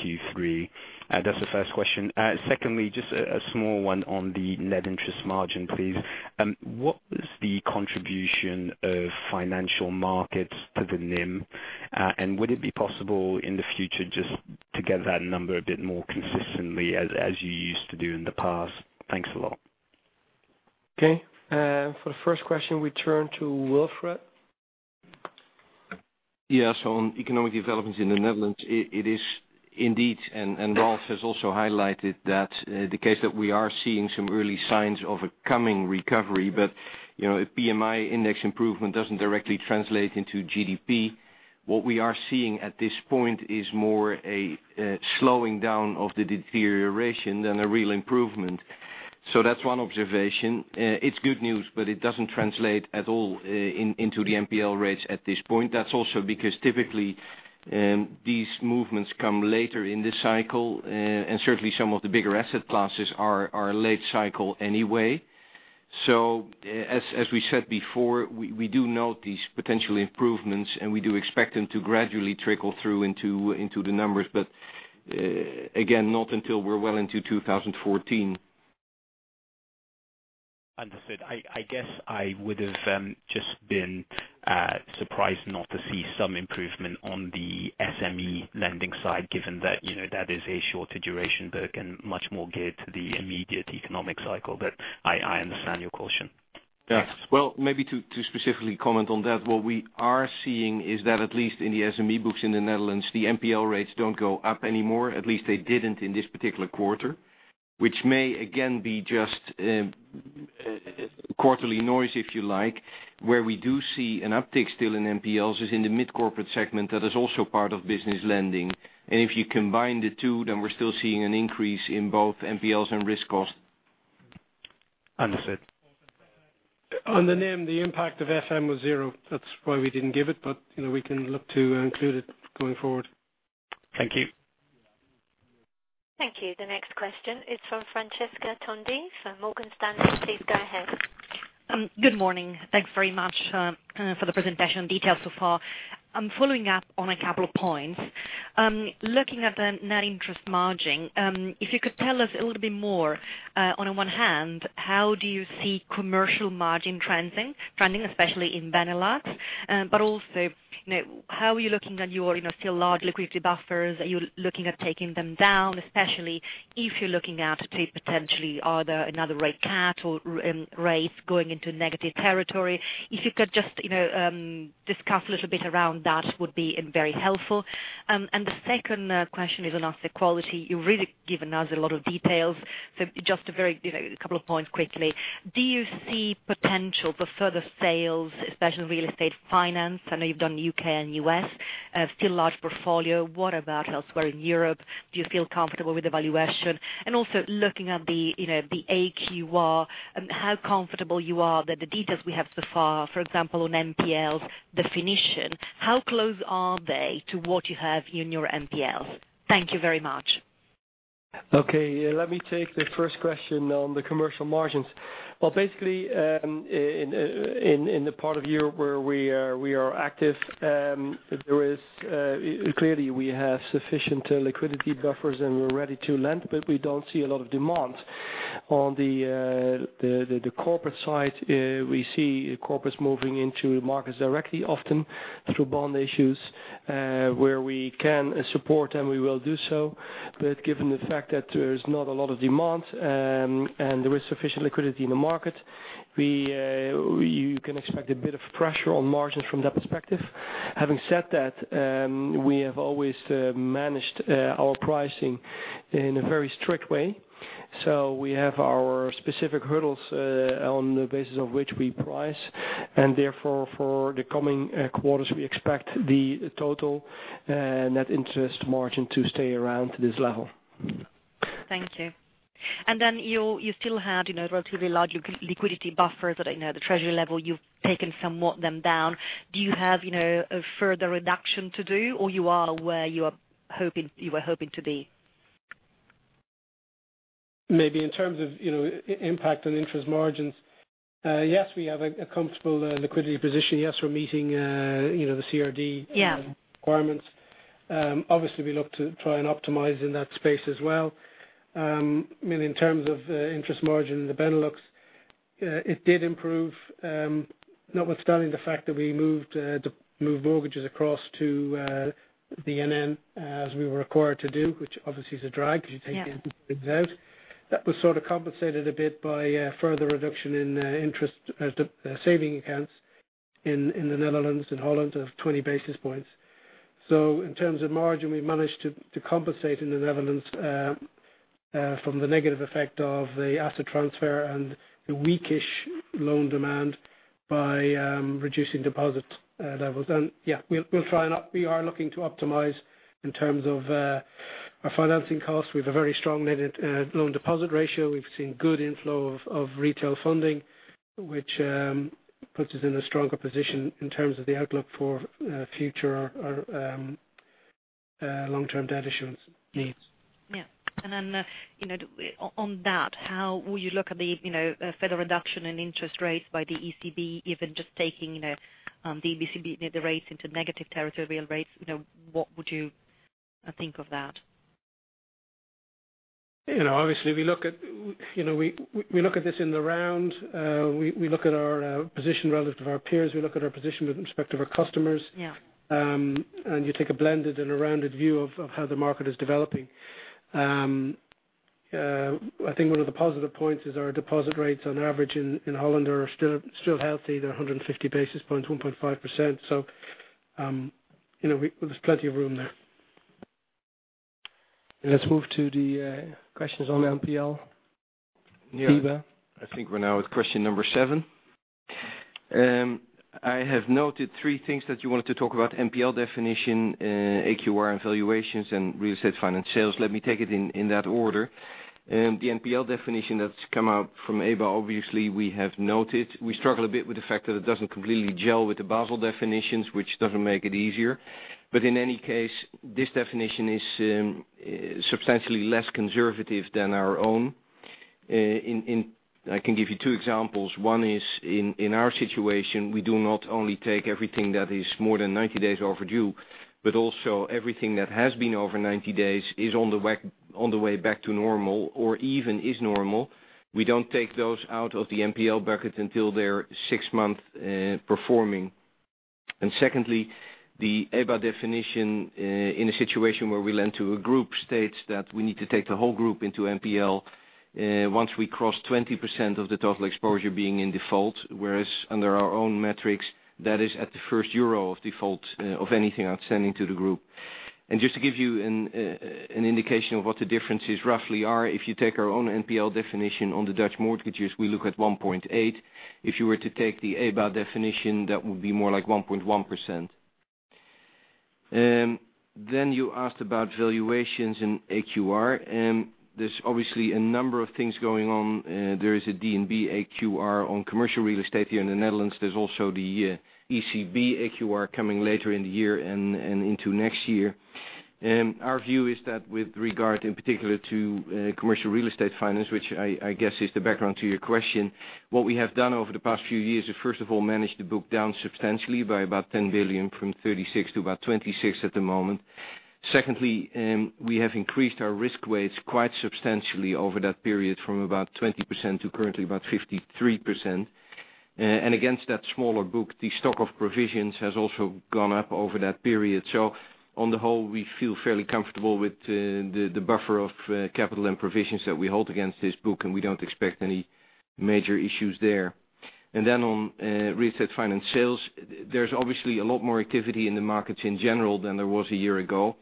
Q3? That's the first question. Secondly, just a small one on the net interest margin, please. What was the contribution of financial markets to the NIM? Would it be possible in the future just to get that number a bit more consistently as you used to do in the past? Thanks a lot. Okay. For the first question, we turn to Wilfred. Yes. On economic developments in the Netherlands, it is indeed, and Ralph has also highlighted that the case that we are seeing some early signs of a coming recovery. PMI index improvement doesn't directly translate into GDP. What we are seeing at this point is more a slowing down of the deterioration than a real improvement. That's one observation. It's good news, it doesn't translate at all into the NPL rates at this point. That's also because typically, these movements come later in this cycle. Certainly, some of the bigger asset classes are late cycle anyway. As we said before, we do note these potential improvements, and we do expect them to gradually trickle through into the numbers. Again, not until we're well into 2014. Understood. I guess I would have just been surprised not to see some improvement on the SME lending side, given that is a shorter duration that can much more geared to the immediate economic cycle. I understand your caution. Yes. Well, maybe to specifically comment on that. What we are seeing is that at least in the SME books in the Netherlands, the NPL rates don't go up anymore. At least they didn't in this particular quarter, which may again, be just quarterly noise, if you like. Where we do see an uptick still in NPLs is in the mid-corporate segment that is also part of business lending. If you combine the two, then we're still seeing an increase in both NPLs and risk cost. Understood. On the NIM, the impact of FM was zero. That's why we didn't give it. We can look to include it going forward. Thank you. Thank you. The next question is from Francesca Tondi from Morgan Stanley. Please go ahead. Good morning. Thanks very much for the presentation details so far. I am following up on a couple of points. Looking at the net interest margin, if you could tell us a little bit more, on one hand, how do you see commercial margin trending, especially in Benelux? Also, how are you looking at your still large liquidity buffers? Are you looking at taking them down, especially if you are looking out to potentially either another rate cut or rates going into negative territory? If you could just discuss a little bit around that would be very helpful. The second question is on asset quality. You have really given us a lot of details. Just a couple of points quickly. Do you see potential for further sales, especially real estate finance? I know you have done U.K. and U.S. Still large portfolio. What about elsewhere in Europe? Do you feel comfortable with the valuation? Also, looking at the AQR, how comfortable you are that the details we have so far, for example, on NPLs definition, how close are they to what you have in your NPLs? Thank you very much. Okay. Let me take the first question on the commercial margins. Basically, in the part of the year where we are active, clearly we have sufficient liquidity buffers and we're ready to lend, but we don't see a lot of demand. On the corporate side, we see corporates moving into markets directly, often through bond issues. Where we can support them, we will do so. Given the fact that there's not a lot of demand and there is sufficient liquidity in the market, you can expect a bit of pressure on margins from that perspective. Having said that, we have always managed our pricing in a very strict way. We have our specific hurdles on the basis of which we price, and therefore for the coming quarters, we expect the total net interest margin to stay around this level. Thank you. You still had relatively large liquidity buffers at the treasury level. You've taken somewhat them down. Do you have a further reduction to do, or you are where you were hoping to be? Maybe in terms of impact on interest margins, yes, we have a comfortable liquidity position. Yes, we're meeting the CRD- Yeah requirements. Obviously, we look to try and optimize in that space as well. In terms of interest margin in the Benelux, it did improve, notwithstanding the fact that we moved mortgages across to NN Bank as we were required to do, which obviously is a drag because you take- Yeah interest payments out. That was sort of compensated a bit by a further reduction in interest saving accounts in the Netherlands and Holland of 20 basis points. In terms of margin, we managed to compensate in the Netherlands from the negative effect of the asset transfer and the weak-ish loan demand by reducing deposit levels. Yeah, we are looking to optimize in terms of our financing costs. We have a very strong loan deposit ratio. We've seen good inflow of retail funding, which puts us in a stronger position in terms of the outlook for future long-term debt issuance needs. Yeah. On that, how will you look at the further reduction in interest rates by the ECB, even just taking the ECB negative rates into negative territory, real rates, what would you think of that? Obviously, we look at this in the round. We look at our position relative to our peers. We look at our position with respect to our customers. Yeah. You take a blended and a rounded view of how the market is developing. I think one of the positive points is our deposit rates on average in Holland are still healthy. They're 150 basis points, 1.5%. There's plenty of room there. Let's move to the questions on NPL. Wiebe. I think we're now at question number 7. I have noted three things that you wanted to talk about, NPL definition, AQR and valuations, and real estate finance sales. Let me take it in that order. The NPL definition that's come out from EBA, obviously we have noted. We struggle a bit with the fact that it doesn't completely gel with the Basel definitions, which doesn't make it easier. In any case, this definition is substantially less conservative than our own. I can give you two examples. One is, in our situation, we do not only take everything that is more than 90 days overdue, but also everything that has been over 90 days is on the way back to normal or even is normal. We don't take those out of the NPL bucket until they're six-month performing. Secondly, the EBA definition in a situation where we lend to a group states that we need to take the whole group into NPL once we cross 20% of the total exposure being in default, whereas under our own metrics, that is at the first euro of default of anything outstanding to the group. Just to give you an indication of what the differences roughly are, if you take our own NPL definition on the Dutch mortgages, we look at 1.8%. If you were to take the EBA definition, that would be more like 1.1%. You asked about valuations in AQR. There's obviously a number of things going on. There is a DNB AQR on commercial real estate here in the Netherlands. There's also the ECB AQR coming later in the year and into next year. Our view is that with regard in particular to commercial real estate finance, which I guess is the background to your question, what we have done over the past few years is first of all, managed to book down substantially by about 10 billion from 36 billion to about 26 billion at the moment. Secondly, we have increased our risk weights quite substantially over that period from about 20% to currently about 53%. Against that smaller book, the stock of provisions has also gone up over that period. On the whole, we feel fairly comfortable with the buffer of capital and provisions that we hold against this book, and we don't expect any major issues there. Then on real estate finance sales, there's obviously a lot more activity in the markets in general than there was a year ago.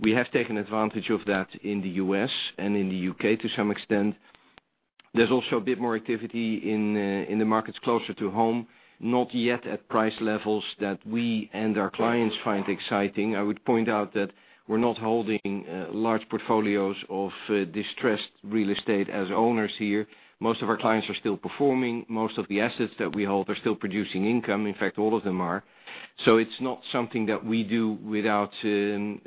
We have taken advantage of that in the U.S. and in the U.K. to some extent. There's also a bit more activity in the markets closer to home, not yet at price levels that we and our clients find exciting. I would point out that we're not holding large portfolios of distressed real estate as owners here. Most of our clients are still performing. Most of the assets that we hold are still producing income. In fact, all of them are. It's not something that we do without the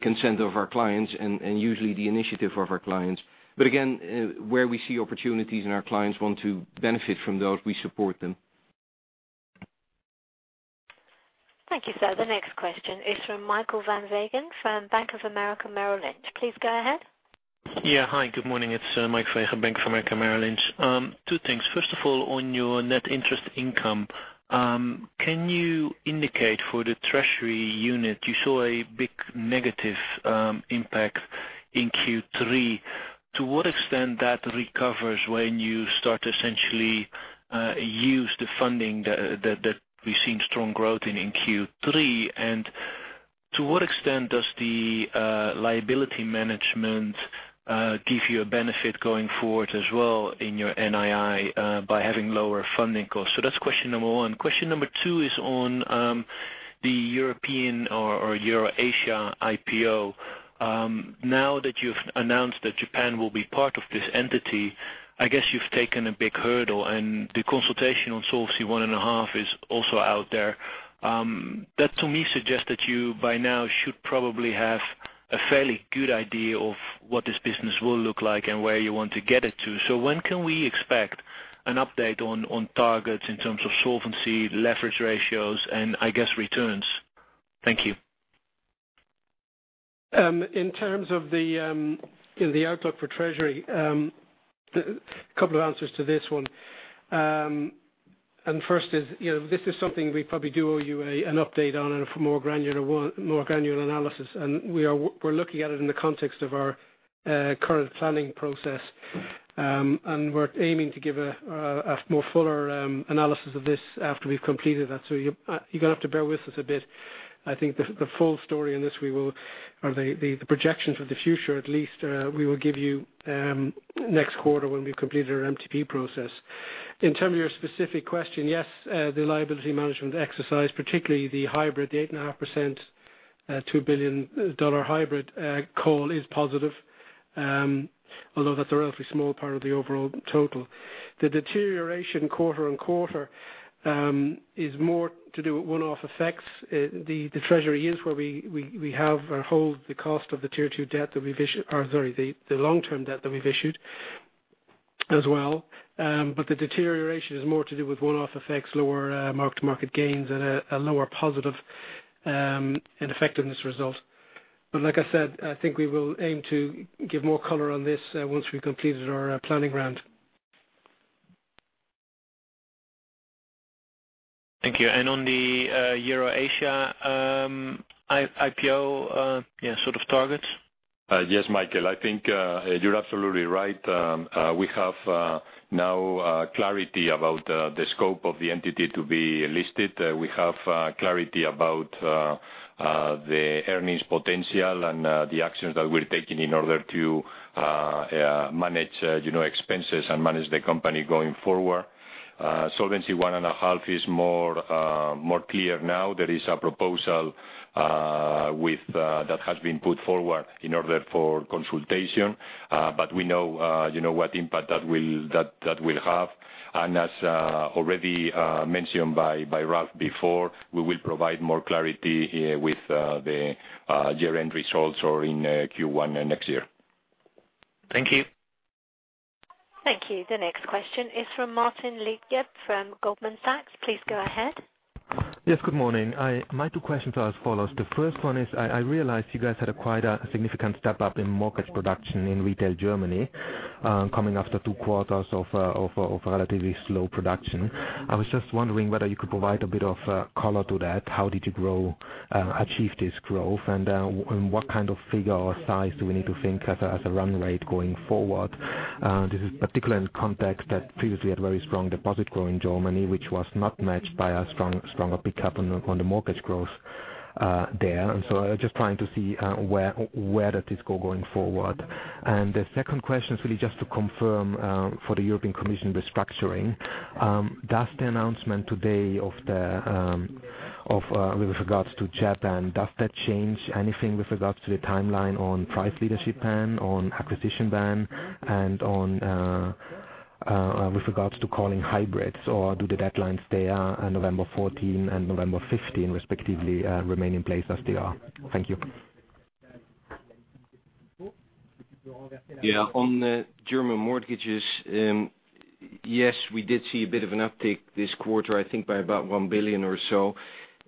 consent of our clients and usually the initiative of our clients. Again, where we see opportunities and our clients want to benefit from those, we support them. Thank you, sir. The next question is from Michael van Wegen from Bank of America, Merrill Lynch. Please go ahead. Hi, good morning. It's Mike Van Wegen, Bank of America, Merrill Lynch. Two things. First of all, on your net interest income, can you indicate for the treasury unit, you saw a big negative impact in Q3. To what extent that recovers when you start essentially use the funding that we've seen strong growth in Q3, and to what extent does the liability management give you a benefit going forward as well in your NII, by having lower funding costs? That's question number one. Question number two is on the European or Euro-Asia IPO. Now that you've announced that Japan will be part of this entity, I guess you've taken a big hurdle, and the consultation on Solvency I and a half is also out there. That to me suggests that you, by now, should probably have a fairly good idea of what this business will look like and where you want to get it to. When can we expect an update on targets in terms of solvency, leverage ratios, and I guess, returns? Thank you. In terms of the outlook for treasury, couple of answers to this one. First is, this is something we probably do owe you an update on, and for more granular analysis. We're looking at it in the context of our current planning process. We're aiming to give a more fuller analysis of this after we've completed that. You're going to have to bear with us a bit. I think the full story on this, or the projections for the future at least, we will give you next quarter when we've completed our MTP process. In terms of your specific question, yes, the liability management exercise, particularly the hybrid, the 8.5%, $2 billion hybrid call is positive. Although that's a relatively small part of the overall total. The deterioration quarter-on-quarter, is more to do with one-off effects. The treasury is where we have or hold the cost of the tier 2 debt, or sorry, the long-term debt that we've issued as well. The deterioration is more to do with one-off effects, lower mark-to-market gains, and a lower positive and effectiveness result. Like I said, I think we will aim to give more color on this once we've completed our planning round. Thank you. On the Euro-Asia IPO, sort of targets. Yes, Michael, I think you're absolutely right. We have now clarity about the scope of the entity to be listed. We have clarity about the earnings potential and the actions that we're taking in order to manage expenses and manage the company going forward. Solvency I and a half is more clear now. There is a proposal that has been put forward in order for consultation. We know what impact that will have. As already mentioned by Ralph before, we will provide more clarity here with the year-end results or in Q1 next year. Thank you. Thank you. The next question is from Martin Leitgeb from Goldman Sachs. Please go ahead. Yes, good morning. My two questions are as follows. The first one is, I realize you guys had quite a significant step up in mortgage production in retail Germany, coming after two quarters of relatively slow production. I was just wondering whether you could provide a bit of color to that. How did you achieve this growth, and what kind of figure or size do we need to think as a run rate going forward? This is particularly in context that previously had very strong deposit growth in Germany, which was not matched by a stronger pickup on the mortgage growth there. I was just trying to see where that is going forward. The second question is really just to confirm, for the European Commission restructuring, does the announcement today with regards to Japan, does that change anything with regards to the timeline on price leadership ban, on acquisition ban, and with regards to calling hybrids, or do the deadlines there on November 14 and November 15 respectively remain in place as they are? Thank you. Yeah. On the German mortgages, yes, we did see a bit of an uptick this quarter, I think by about 1 billion or so.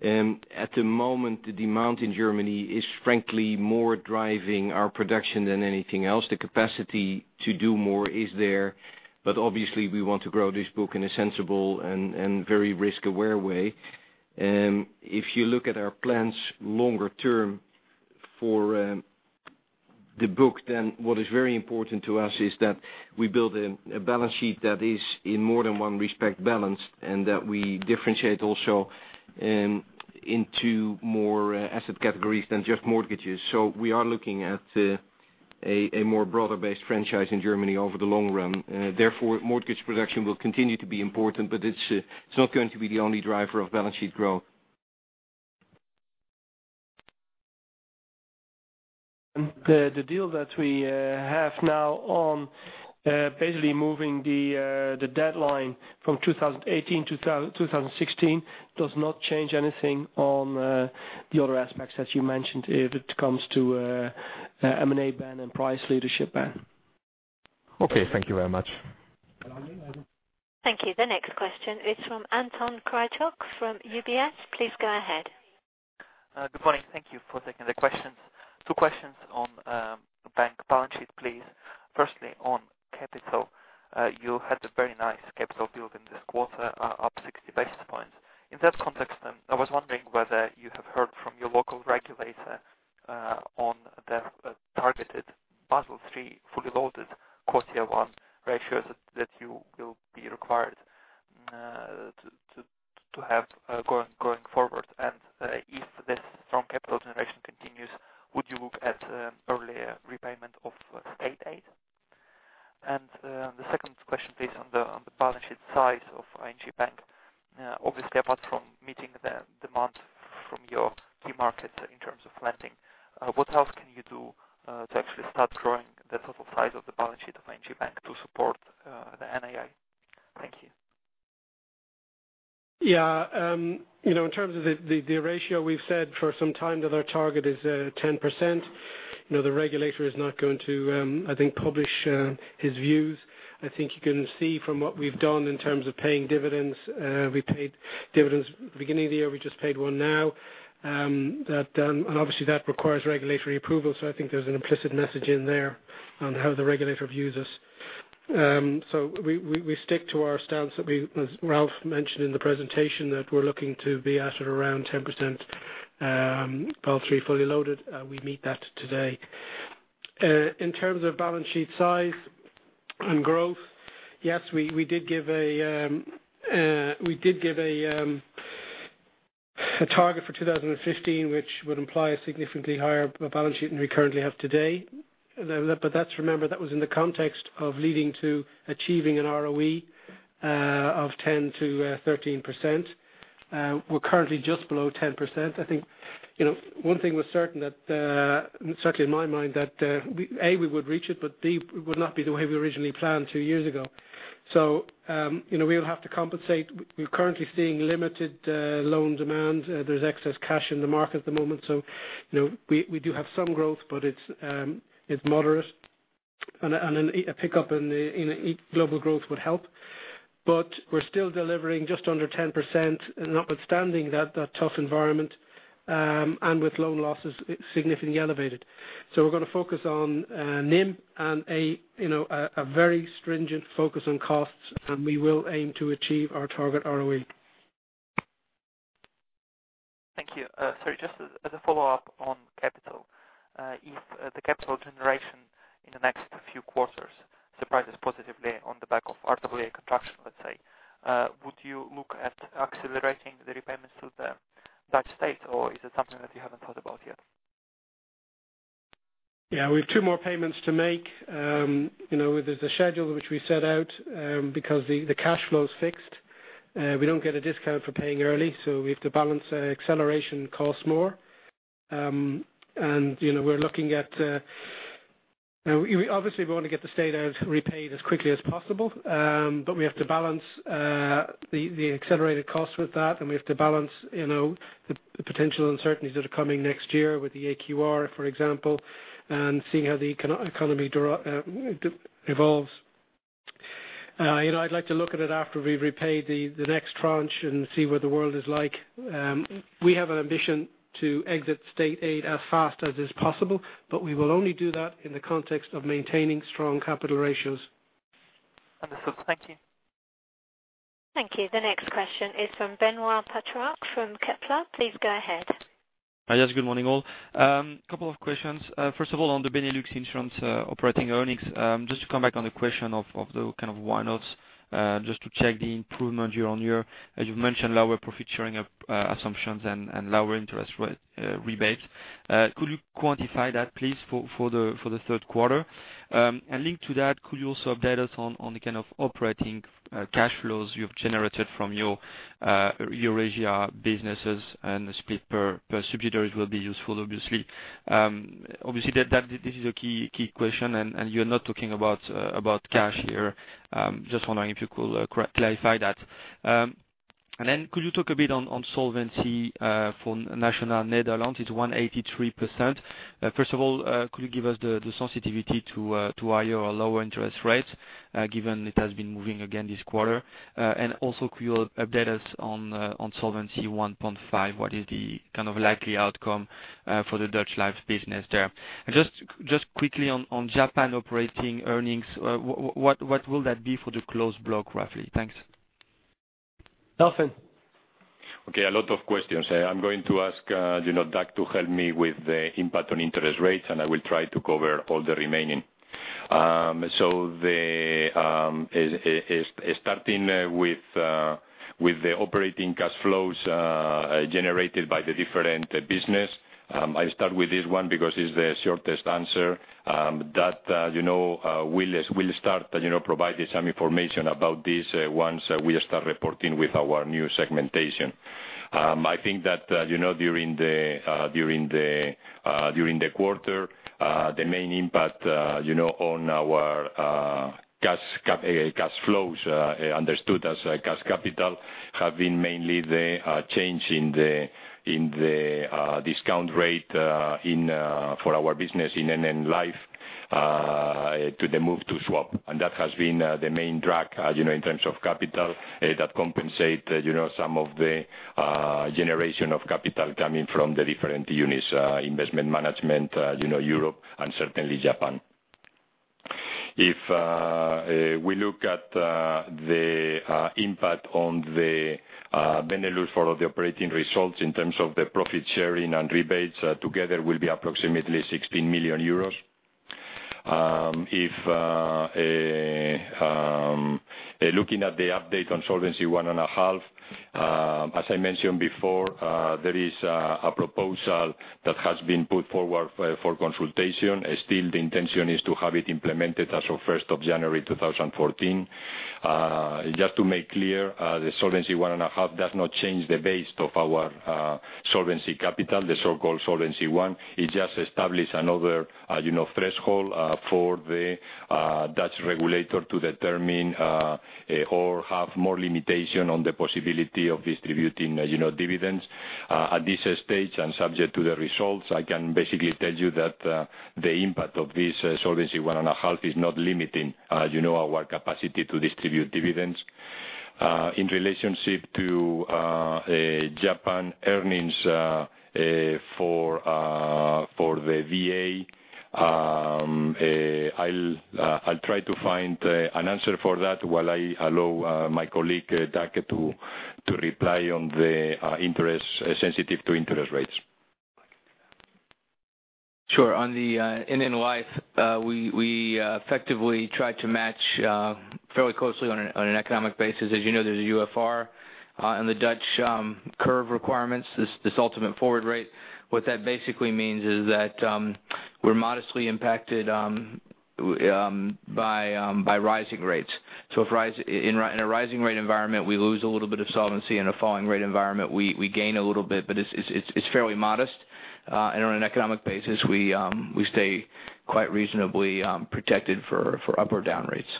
At the moment, the demand in Germany is frankly more driving our production than anything else. The capacity to do more is there, but obviously we want to grow this book in a sensible and very risk-aware way. If you look at our plans longer term for the book, what is very important to us is that we build a balance sheet that is, in more than one respect, balanced, and that we differentiate also into more asset categories than just mortgages. We are looking at a more broader-based franchise in Germany over the long run. Therefore, mortgage production will continue to be important, but it's not going to be the only driver of balance sheet growth. The deal that we have now on basically moving the deadline from 2018 to 2016 does not change anything on the other aspects, as you mentioned, if it comes to M&A ban and price leadership ban. Okay, thank you very much. Thank you. The next question is from Anton Kryachok from UBS. Please go ahead. Good morning. Thank you for taking the questions. Two questions on bank balance sheet, please. Firstly, on capital. You had a very nice capital build in this quarter, up 60 basis points. In that context, I was wondering whether you have heard from your local regulator on the targeted Basel III fully loaded Core Tier 1 ratio that you will be required to have going forward. If this strong capital generation continues, would you look at earlier repayment of state aid? The second question, please, on the balance sheet size of ING Bank. Obviously, apart from meeting the demand from your key markets in terms of lending, what else can you do to actually start growing the total size of the balance sheet of ING Bank to support the NII? Thank you. In terms of the ratio, we've said for some time that our target is 10%. The regulator is not going to publish his views. You can see from what we've done in terms of paying dividends. We paid dividends at the beginning of the year. We just paid one now, and obviously that requires regulatory approval. There's an implicit message in there on how the regulator views us. We stick to our stance that, as Ralph mentioned in the presentation, that we're looking to be at around 10% Basel III fully loaded. We meet that today. In terms of balance sheet size and growth, yes, we did give a target for 2015, which would imply a significantly higher balance sheet than we currently have today. Remember, that was in the context of leading to achieving an ROE of 10%-13%. We're currently just below 10%. One thing was certain, certainly in my mind that A, we would reach it, but B, it would not be the way we originally planned two years ago. We'll have to compensate. We're currently seeing limited loan demand. There's excess cash in the market at the moment. We do have some growth, but it's moderate. A pickup in global growth would help. We're still delivering just under 10% notwithstanding that tough environment, with loan losses significantly elevated. We're going to focus on NIM and a very stringent focus on costs, and we will aim to achieve our target ROE. Thank you. Sorry, just as a follow-up on capital. If the capital generation in the next few quarters surprises positively on the back of RWA contraction, let's say, would you look at accelerating the repayments to the Dutch state, or is it something that you haven't thought about yet? Yeah, we have two more payments to make. There's a schedule which we set out because the cash flow is fixed. We don't get a discount for paying early, so we have to balance acceleration costs more. Obviously we want to get the state aid repaid as quickly as possible, but we have to balance the accelerated cost with that, and we have to balance the potential uncertainties that are coming next year with the AQR, for example, and seeing how the economy evolves. I'd like to look at it after we've repaid the next tranche and see what the world is like. We have an ambition to exit state aid as fast as is possible, but we will only do that in the context of maintaining strong capital ratios. Understood. Thank you. Thank you. The next question is from Benoît Pétrarque from Kepler. Please go ahead. Yes, couple of questions. First of all, on the Benelux insurance operating earnings, just to come back on the question of the kind of why nots, just to check the improvement year-over-year. As you mentioned, lower profit sharing assumptions and lower interest rate rebates. Could you quantify that, please, for the third quarter? Linked to that, could you also update us on the kind of operating cash flows you've generated from your Eurasia businesses, and the split per distributors will be useful, obviously. Obviously, this is a key question, and you're not talking about cash here. Just wondering if you could clarify that. Then could you talk a bit on solvency for Nationale-Nederlanden, it's 183%. First of all, could you give us the sensitivity to higher or lower interest rates, given it has been moving again this quarter? Could you update us on Solvency I and a half? What is the kind of likely outcome for the Dutch Life business there? Just quickly on Japan operating earnings, what will that be for the closed block, roughly? Thanks. Ralph and Okay, a lot of questions. I'm going to ask Dag to help me with the impact on interest rates, I will try to cover all the remaining. Starting with the operating cash flows generated by the different business. I start with this one because it's the shortest answer. Dag will start providing some information about this once we start reporting with our new segmentation. I think that during the quarter, the main impact on our cash flows, understood as cash capital, have been mainly the change in the discount rate for our business in NN Life To the move to swap. That has been the main drag in terms of capital that compensate some of the generation of capital coming from the different units, investment management, Europe and certainly Japan. If we look at the impact on the Benelux for the operating results in terms of the profit sharing and rebates together will be approximately 16 million euros. Looking at the update on Solvency I and a half, as I mentioned before, there is a proposal that has been put forward for consultation. Still, the intention is to have it implemented as of 1st of January 2014. Just to make clear, the Solvency I and a half does not change the base of our solvency capital, the so-called Solvency I. It just establish another threshold for the Dutch regulator to determine or have more limitation on the possibility of distributing dividends. At this stage, and subject to the results, I can basically tell you that the impact of this Solvency I and a half is not limiting our capacity to distribute dividends. In relationship to Japan earnings for the VA, I'll try to find an answer for that while I allow my colleague, Dag, to reply on the sensitive to interest rates. Sure. On the NN Life, we effectively try to match fairly closely on an economic basis. As you know, there's a UFR on the Dutch curve requirements, this ultimate forward rate. That basically means is that we're modestly impacted by rising rates. In a rising rate environment, we lose a little bit of solvency. In a falling rate environment, we gain a little bit. It's fairly modest. On an economic basis, we stay quite reasonably protected for up or down rates.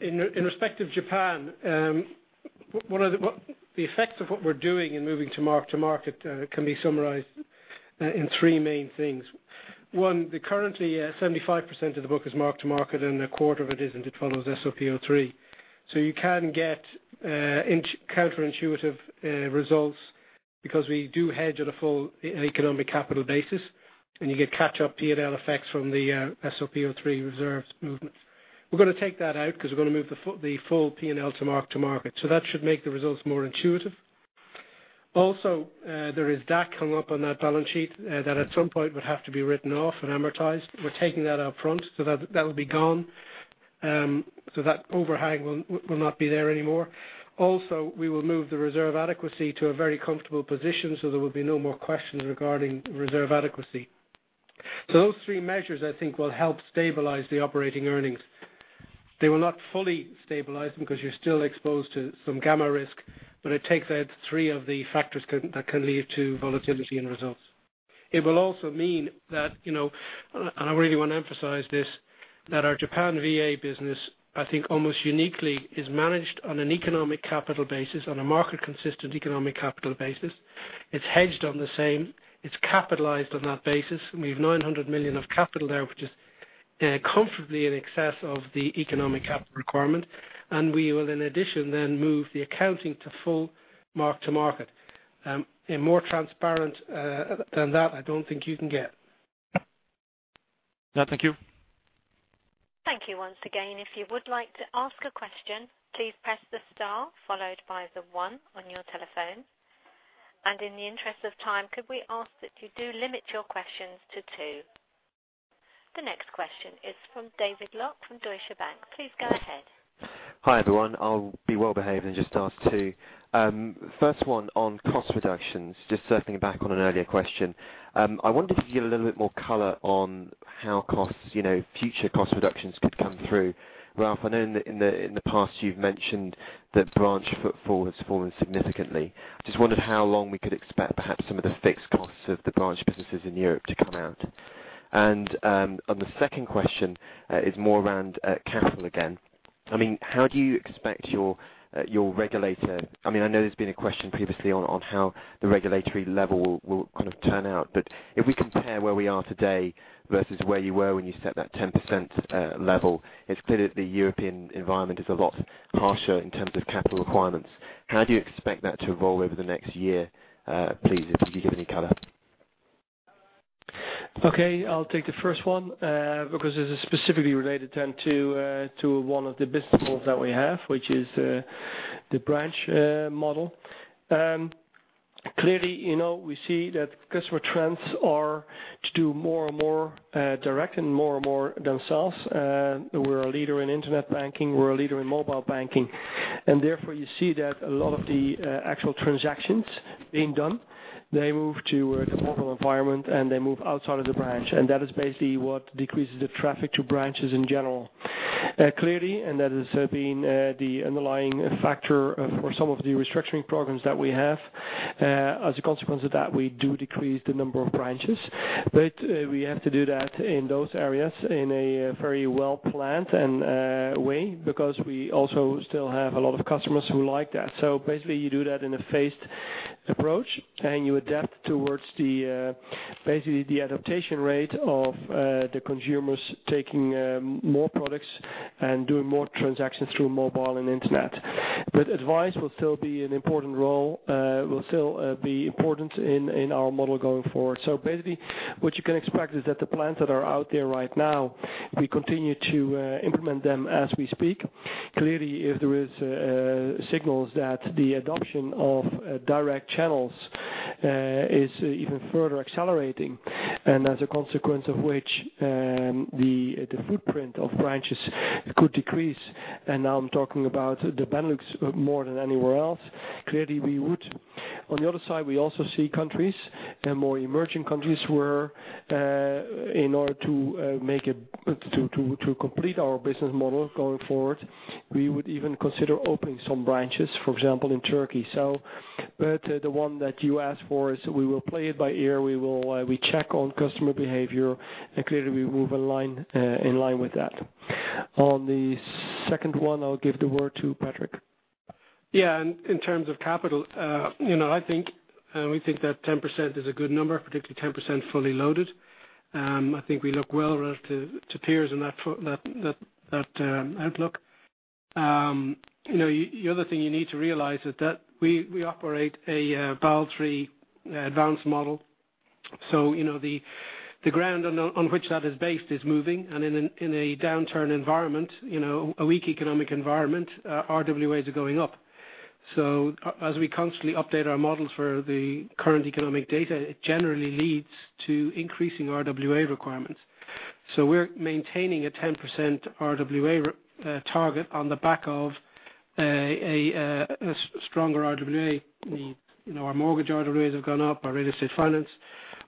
In respect of Japan, the effects of what we're doing in moving to market can be summarized in 3 main things. One, currently 75% of the book is mark to market, and a quarter of it isn't. It follows SOP 03-1. You can get counterintuitive results because we do hedge at a full economic capital basis, and you get catch-up P&L effects from the SOP 03-1 reserves movements. We're going to take that out because we're going to move the full P&L to mark to market. That should make the results more intuitive. Also, there is DAC hung up on that balance sheet that at some point would have to be written off and amortized. We're taking that up front, that will be gone. That overhang will not be there anymore. Also, we will move the reserve adequacy to a very comfortable position, so there will be no more questions regarding reserve adequacy. Those 3 measures, I think, will help stabilize the operating earnings. They will not fully stabilize them because you're still exposed to some gamma risk, but it takes out 3 of the factors that can lead to volatility in results. It will also mean that, and I really want to emphasize this, that our Japan VA business, I think almost uniquely, is managed on an economic capital basis, on a market consistent economic capital basis. It's hedged on the same. It's capitalized on that basis. We have 900 million of capital there, which is comfortably in excess of the economic capital requirement. We will, in addition, then move the accounting to full mark to market. More transparent than that, I don't think you can get. Yeah. Thank you. Thank you once again. If you would like to ask a question, please press the star followed by the one on your telephone. In the interest of time, could we ask that you do limit your questions to two? The next question is from David Lock from Deutsche Bank. Please go ahead. Hi, everyone. I'll be well-behaved and just ask two. First one on cost reductions, just circling back on an earlier question. I wondered if you could give a little bit more color on how future cost reductions could come through. Ralph, I know in the past you've mentioned that branch footfall has fallen significantly. I just wondered how long we could expect perhaps some of the fixed costs of the branch businesses in Europe to come out. The second question is more around capital again. I know there's been a question previously on how the regulatory level will turn out, but if we compare where we are today versus where you were when you set that 10% level, it's clear that the European environment is a lot harsher in terms of capital requirements. How do you expect that to evolve over the next year? Please, if you could give any color. Okay, I'll take the first one because this is specifically related then to one of the business models that we have, which is the branch model. Clearly, we see that customer trends are to do more and more direct and more and more themselves. We're a leader in internet banking. We're a leader in mobile banking. Therefore, you see that a lot of the actual transactions being done, they move to a mobile environment, and they move outside of the branch. That is basically what decreases the traffic to branches in general. Clearly, that has been the underlying factor for some of the restructuring programs that we have. As a consequence of that, we do decrease the number of branches. We have to do that in those areas in a very well-planned way because we also still have a lot of customers who like that. Basically, you do that in a phased Approach, and you adapt towards basically the adaptation rate of the consumers taking more products and doing more transactions through mobile and internet. Advice will still be an important role, will still be important in our model going forward. Basically what you can expect is that the plans that are out there right now, we continue to implement them as we speak. Clearly, if there is signals that the adoption of direct channels is even further accelerating, as a consequence of which, the footprint of branches could decrease, now I'm talking about the Benelux more than anywhere else. On the other side, we also see countries, the more emerging countries, where in order to complete our business model going forward, we would even consider opening some branches, for example, in Turkey. The one that you asked for is we will play it by ear. We check on customer behavior, clearly we move in line with that. On the second one, I'll give the word to Patrick. Yeah. In terms of capital, we think that 10% is a good number, particularly 10% fully loaded. I think we look well relative to peers in that outlook. The other thing you need to realize is that we operate a Basel III advanced model. The ground on which that is based is moving, and in a downturn environment, a weak economic environment, RWAs are going up. As we constantly update our models for the current economic data, it generally leads to increasing RWA requirements. We're maintaining a 10% RWA target on the back of a stronger RWA. Our mortgage RWAs have gone up, our real estate finance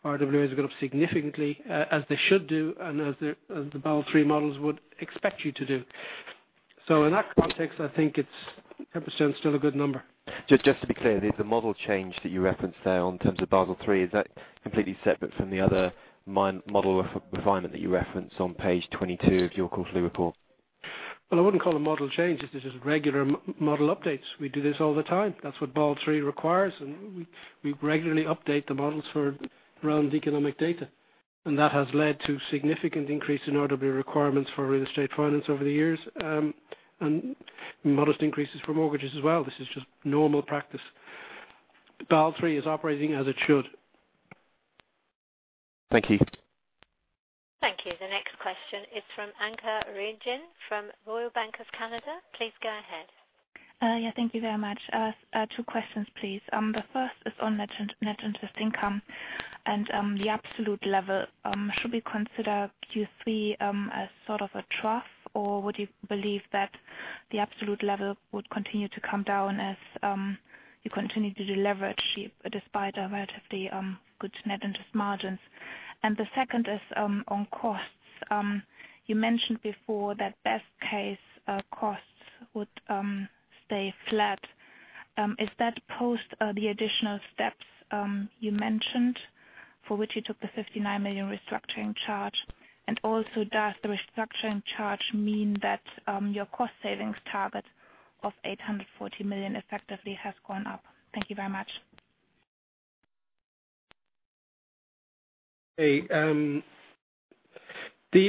RWAs have gone up significantly, as they should do, and as the Basel III models would expect you to do. In that context, I think 10% is still a good number. Just to be clear, the model change that you referenced there in terms of Basel III, is that completely separate from the other model refinement that you referenced on page 22 of your quarterly report? Well, I wouldn't call it model change. This is regular model updates. We do this all the time. That's what Basel III requires, and we regularly update the models around economic data. That has led to significant increase in RWA requirements for real estate finance over the years, and modest increases for mortgages as well. This is just normal practice. Basel III is operating as it should. Thank you. Thank you. The next question is from Anke Reingen from Royal Bank of Canada. Please go ahead. Yeah, thank you very much. Two questions, please. The first is on net interest income and the absolute level. Should we consider Q3 as sort of a trough, or would you believe that the absolute level would continue to come down as you continue to deleverage cheap despite relatively good net interest margins? The second is on costs. You mentioned before that best case costs would stay flat. Is that post the additional steps you mentioned for which you took the 59 million restructuring charge? Also, does the restructuring charge mean that your cost savings target of 840 million effectively has gone up? Thank you very much.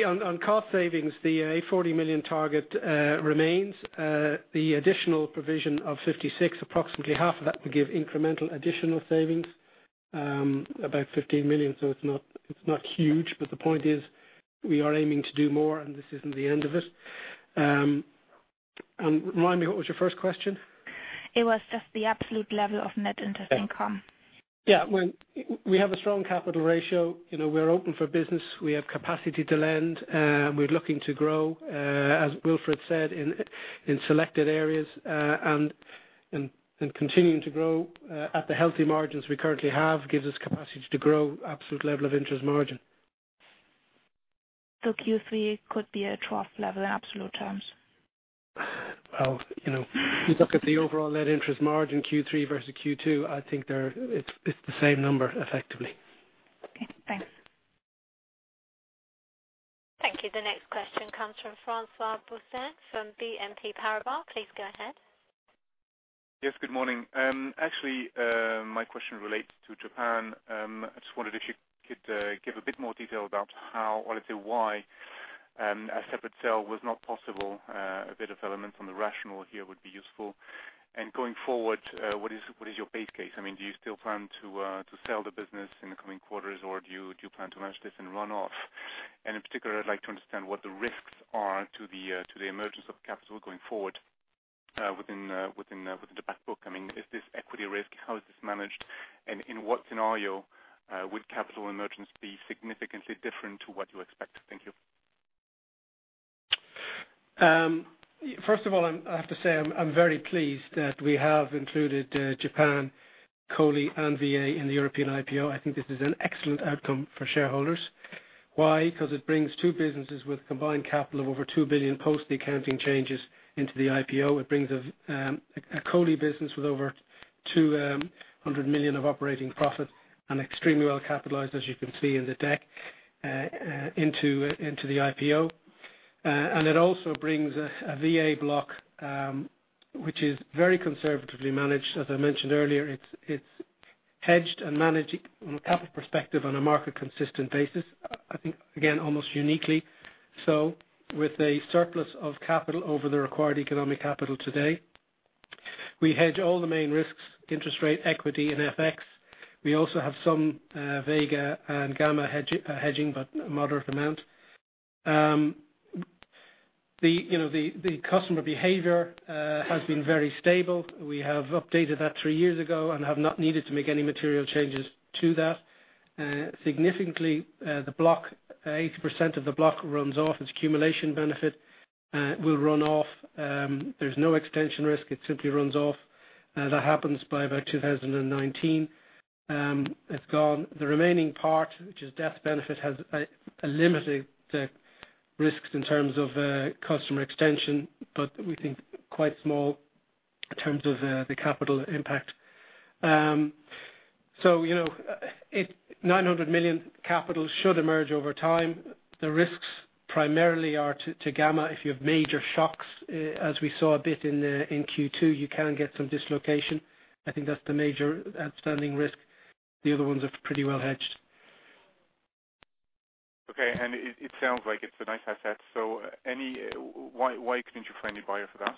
On cost savings, the 840 million target remains. The additional provision of 56 million, approximately half of that will give incremental additional savings, about 15 million. It's not huge, but the point is, we are aiming to do more, and this isn't the end of it. Remind me, what was your first question? It was just the absolute level of net interest income. Yeah. We have a strong capital ratio. We're open for business. We have capacity to lend. We're looking to grow, as Wilfred said, in selected areas. Continuing to grow at the healthy margins we currently have gives us capacity to grow absolute level of interest margin. Q3 could be a trough level in absolute terms? Well, you look at the overall net interest margin, Q3 versus Q2, I think it's the same number effectively. Okay, thanks. Thank you. The next question comes from François Boussin from BNP Paribas. Please go ahead. Yes, good morning. Actually, my question relates to Japan. I just wondered if you could give a bit more detail about how, or let's say why, a separate sale was not possible. A bit of element from the rationale here would be useful. Going forward, what is your base case? Do you still plan to sell the business in the coming quarters, or do you plan to manage this in runoff? In particular, I'd like to understand what the risks are to the emergence of capital going forward within the back book. Is this equity risk? How is this managed? In what scenario would capital emergence be significantly different to what you expect? Thank you. First of all, I have to say, I'm very pleased that we have included Japan, COLI, and VA in the European IPO. I think this is an excellent outcome for shareholders. Why? Because it brings two businesses with combined capital of over $2 billion post the accounting changes into the IPO. It brings a COLI business with over $200 million of operating profit and extremely well capitalized, as you can see in the DAC, into the IPO. It also brings a VA block, which is very conservatively managed. As I mentioned earlier, it's hedged and managed from a capital perspective on a market consistent basis. I think, again, almost uniquely so with a surplus of capital over the required economic capital today. We hedge all the main risks, interest rate, equity, and FX. We also have some vega and gamma hedging, but a moderate amount. The customer behavior has been very stable. We have updated that three years ago and have not needed to make any material changes to that. Significantly, 80% of the block runs off. Its accumulation benefit will run off. There's no extension risk. It simply runs off. That happens by about 2019. It's gone. The remaining part, which is death benefit, has a limited risk in terms of customer extension, but we think quite small in terms of the capital impact. 900 million capital should emerge over time. The risks primarily are to gamma. If you have major shocks, as we saw a bit in Q2, you can get some dislocation. I think that's the major outstanding risk. The other ones are pretty well hedged. Okay. It sounds like it's a nice asset. Why couldn't you find a buyer for that?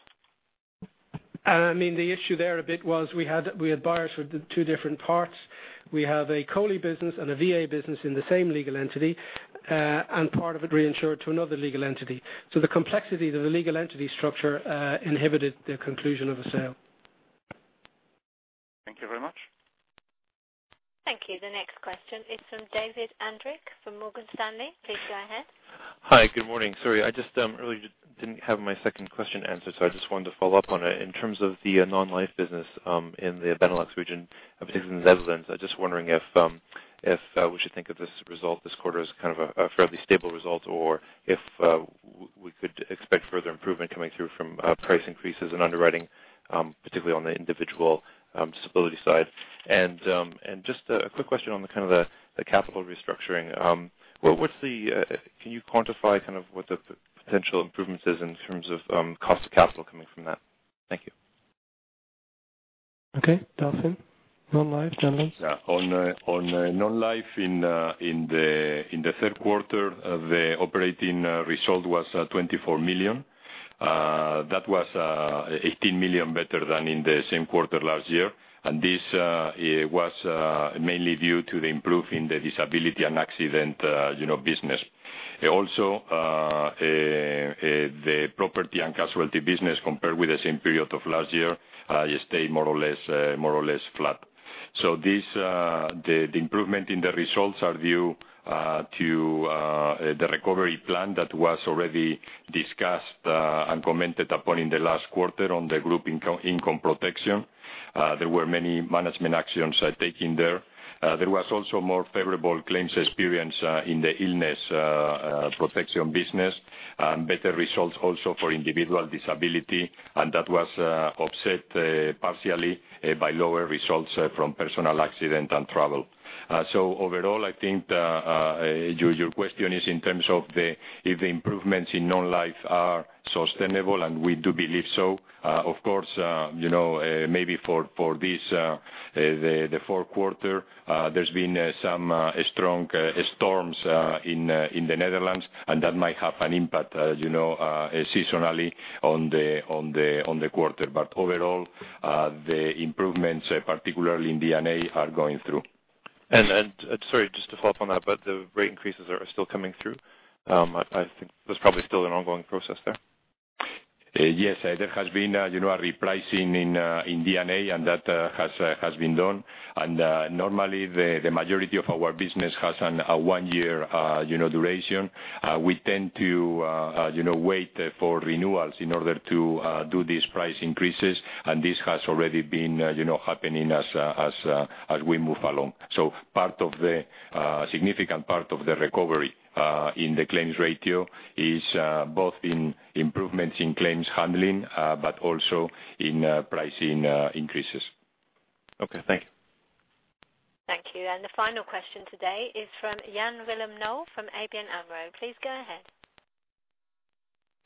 The issue there a bit was we had buyers for the two different parts. We have a COLI business and a VA business in the same legal entity, and part of it reinsured to another legal entity. The complexity of the legal entity structure inhibited the conclusion of a sale. Thank you very much. Thank you. The next question is from David Andric from Morgan Stanley. Please go ahead. Hi. Good morning. Sorry, I just really didn't have my second question answered, so I just wanted to follow up on it. In terms of the non-life business in the Benelux region, particularly in the Netherlands, I'm just wondering if we should think of this result this quarter as kind of a fairly stable result, or if we could expect further improvement coming through from price increases and underwriting, particularly on the individual disability side. Just a quick question on the capital restructuring. Can you quantify what the potential improvement is in terms of cost of capital coming from that? Thank you. Okay. Delfin. Non-life, gentlemen. Yeah. On non-life in the third quarter, the operating result was 24 million. That was 18 million better than in the same quarter last year. This was mainly due to the improvement in the disability and accident business. Also, the property and casualty business, compared with the same period of last year, stayed more or less flat. The improvement in the results is due to the recovery plan that was already discussed and commented upon in the last quarter on the group income protection. There were many management actions taken there. There was also more favorable claims experience in the illness protection business, and better results also for individual disability, and that was offset partially by lower results from personal accident and travel. Overall, I think your question is in terms of if the improvements in non-life are sustainable, and we do believe so. Of course, maybe for the fourth quarter, there's been some strong storms in the Netherlands, and that might have an impact seasonally on the quarter. Overall, the improvements, particularly in D&A, are going through. Sorry, just to follow up on that, the rate increases are still coming through? I think there's probably still an ongoing process there. Yes. There has been a repricing in D&A, and that has been done. Normally, the majority of our business has a one year duration. We tend to wait for renewals in order to do these price increases, this has already been happening as we move along. A significant part of the recovery in the claims ratio is both in improvements in claims handling, but also in pricing increases. Okay, thank you. Thank you. The final question today is from Jan-Willem Knol from ABN AMRO. Please go ahead.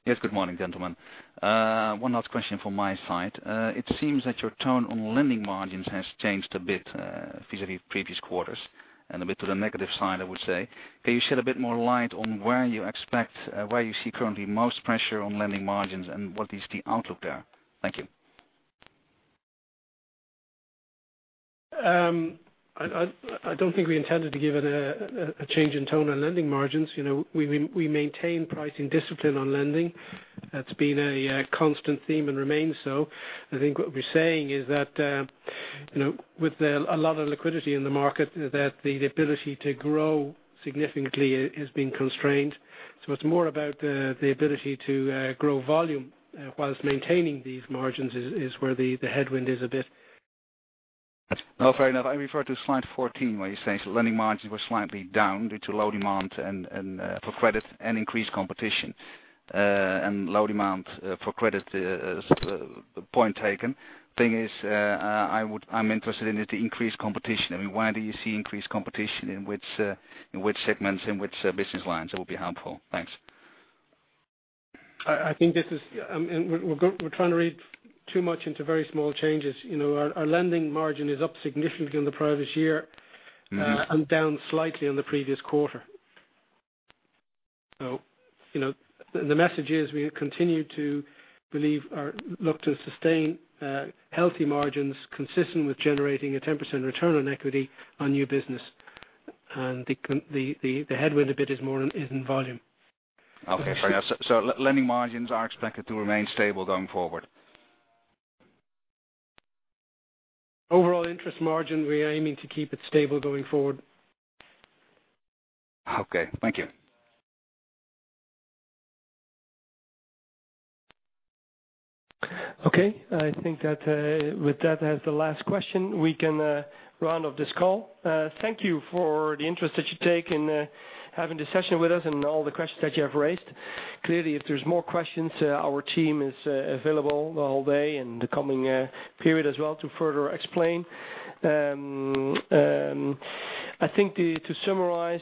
Yes. Good morning, gentlemen. One last question from my side. It seems that your tone on lending margins has changed a bit vis-à-vis previous quarters and a bit to the negative side, I would say. Can you shed a bit more light on where you see currently most pressure on lending margins, and what is the outlook there? Thank you. I don't think we intended to give it a change in tone on lending margins. We maintain pricing discipline on lending. That's been a constant theme and remains so. I think what we're saying is that, with a lot of liquidity in the market, that the ability to grow significantly is being constrained. It's more about the ability to grow volume whilst maintaining these margins is where the headwind is a bit. No, fair enough. I refer to slide 14, where you say lending margins were slightly down due to low demand for credit and increased competition. Low demand for credit is point taken. Thing is, I'm interested in is the increased competition. Where do you see increased competition, in which segments, in which business lines? That would be helpful. Thanks. We're trying to read too much into very small changes. Our lending margin is up significantly on the prior this year- Down slightly on the previous quarter. The message is we continue to believe or look to sustain healthy margins consistent with generating a 10% return on equity on new business. The headwind a bit is in volume. Okay, fair. Lending margins are expected to remain stable going forward. Overall interest margin, we are aiming to keep it stable going forward. Okay. Thank you. Okay. I think that with that as the last question, we can round off this call. Thank you for the interest that you take in having this session with us and all the questions that you have raised. Clearly, if there is more questions, our team is available the whole day, in the coming period as well to further explain. I think to summarize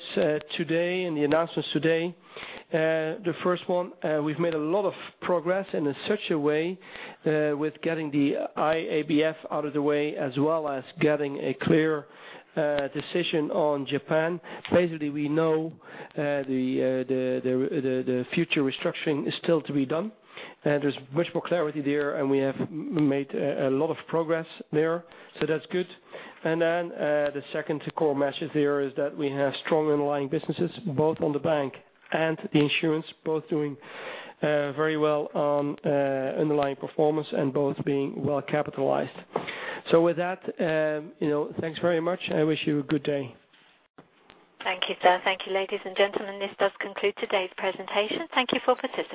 today and the announcements today, the first one, we have made a lot of progress and in such a way, with getting the IABF out of the way, as well as getting a clear decision on Japan. We know the future restructuring is still to be done, and there is much more clarity there, and we have made a lot of progress there, so that is good. The second core message here is that we have strong underlying businesses, both on the bank and the insurance, both doing very well on underlying performance and both being well capitalized. With that, thanks very much. I wish you a good day. Thank you, sir. Thank you, ladies and gentlemen. This does conclude today's presentation. Thank you for participating.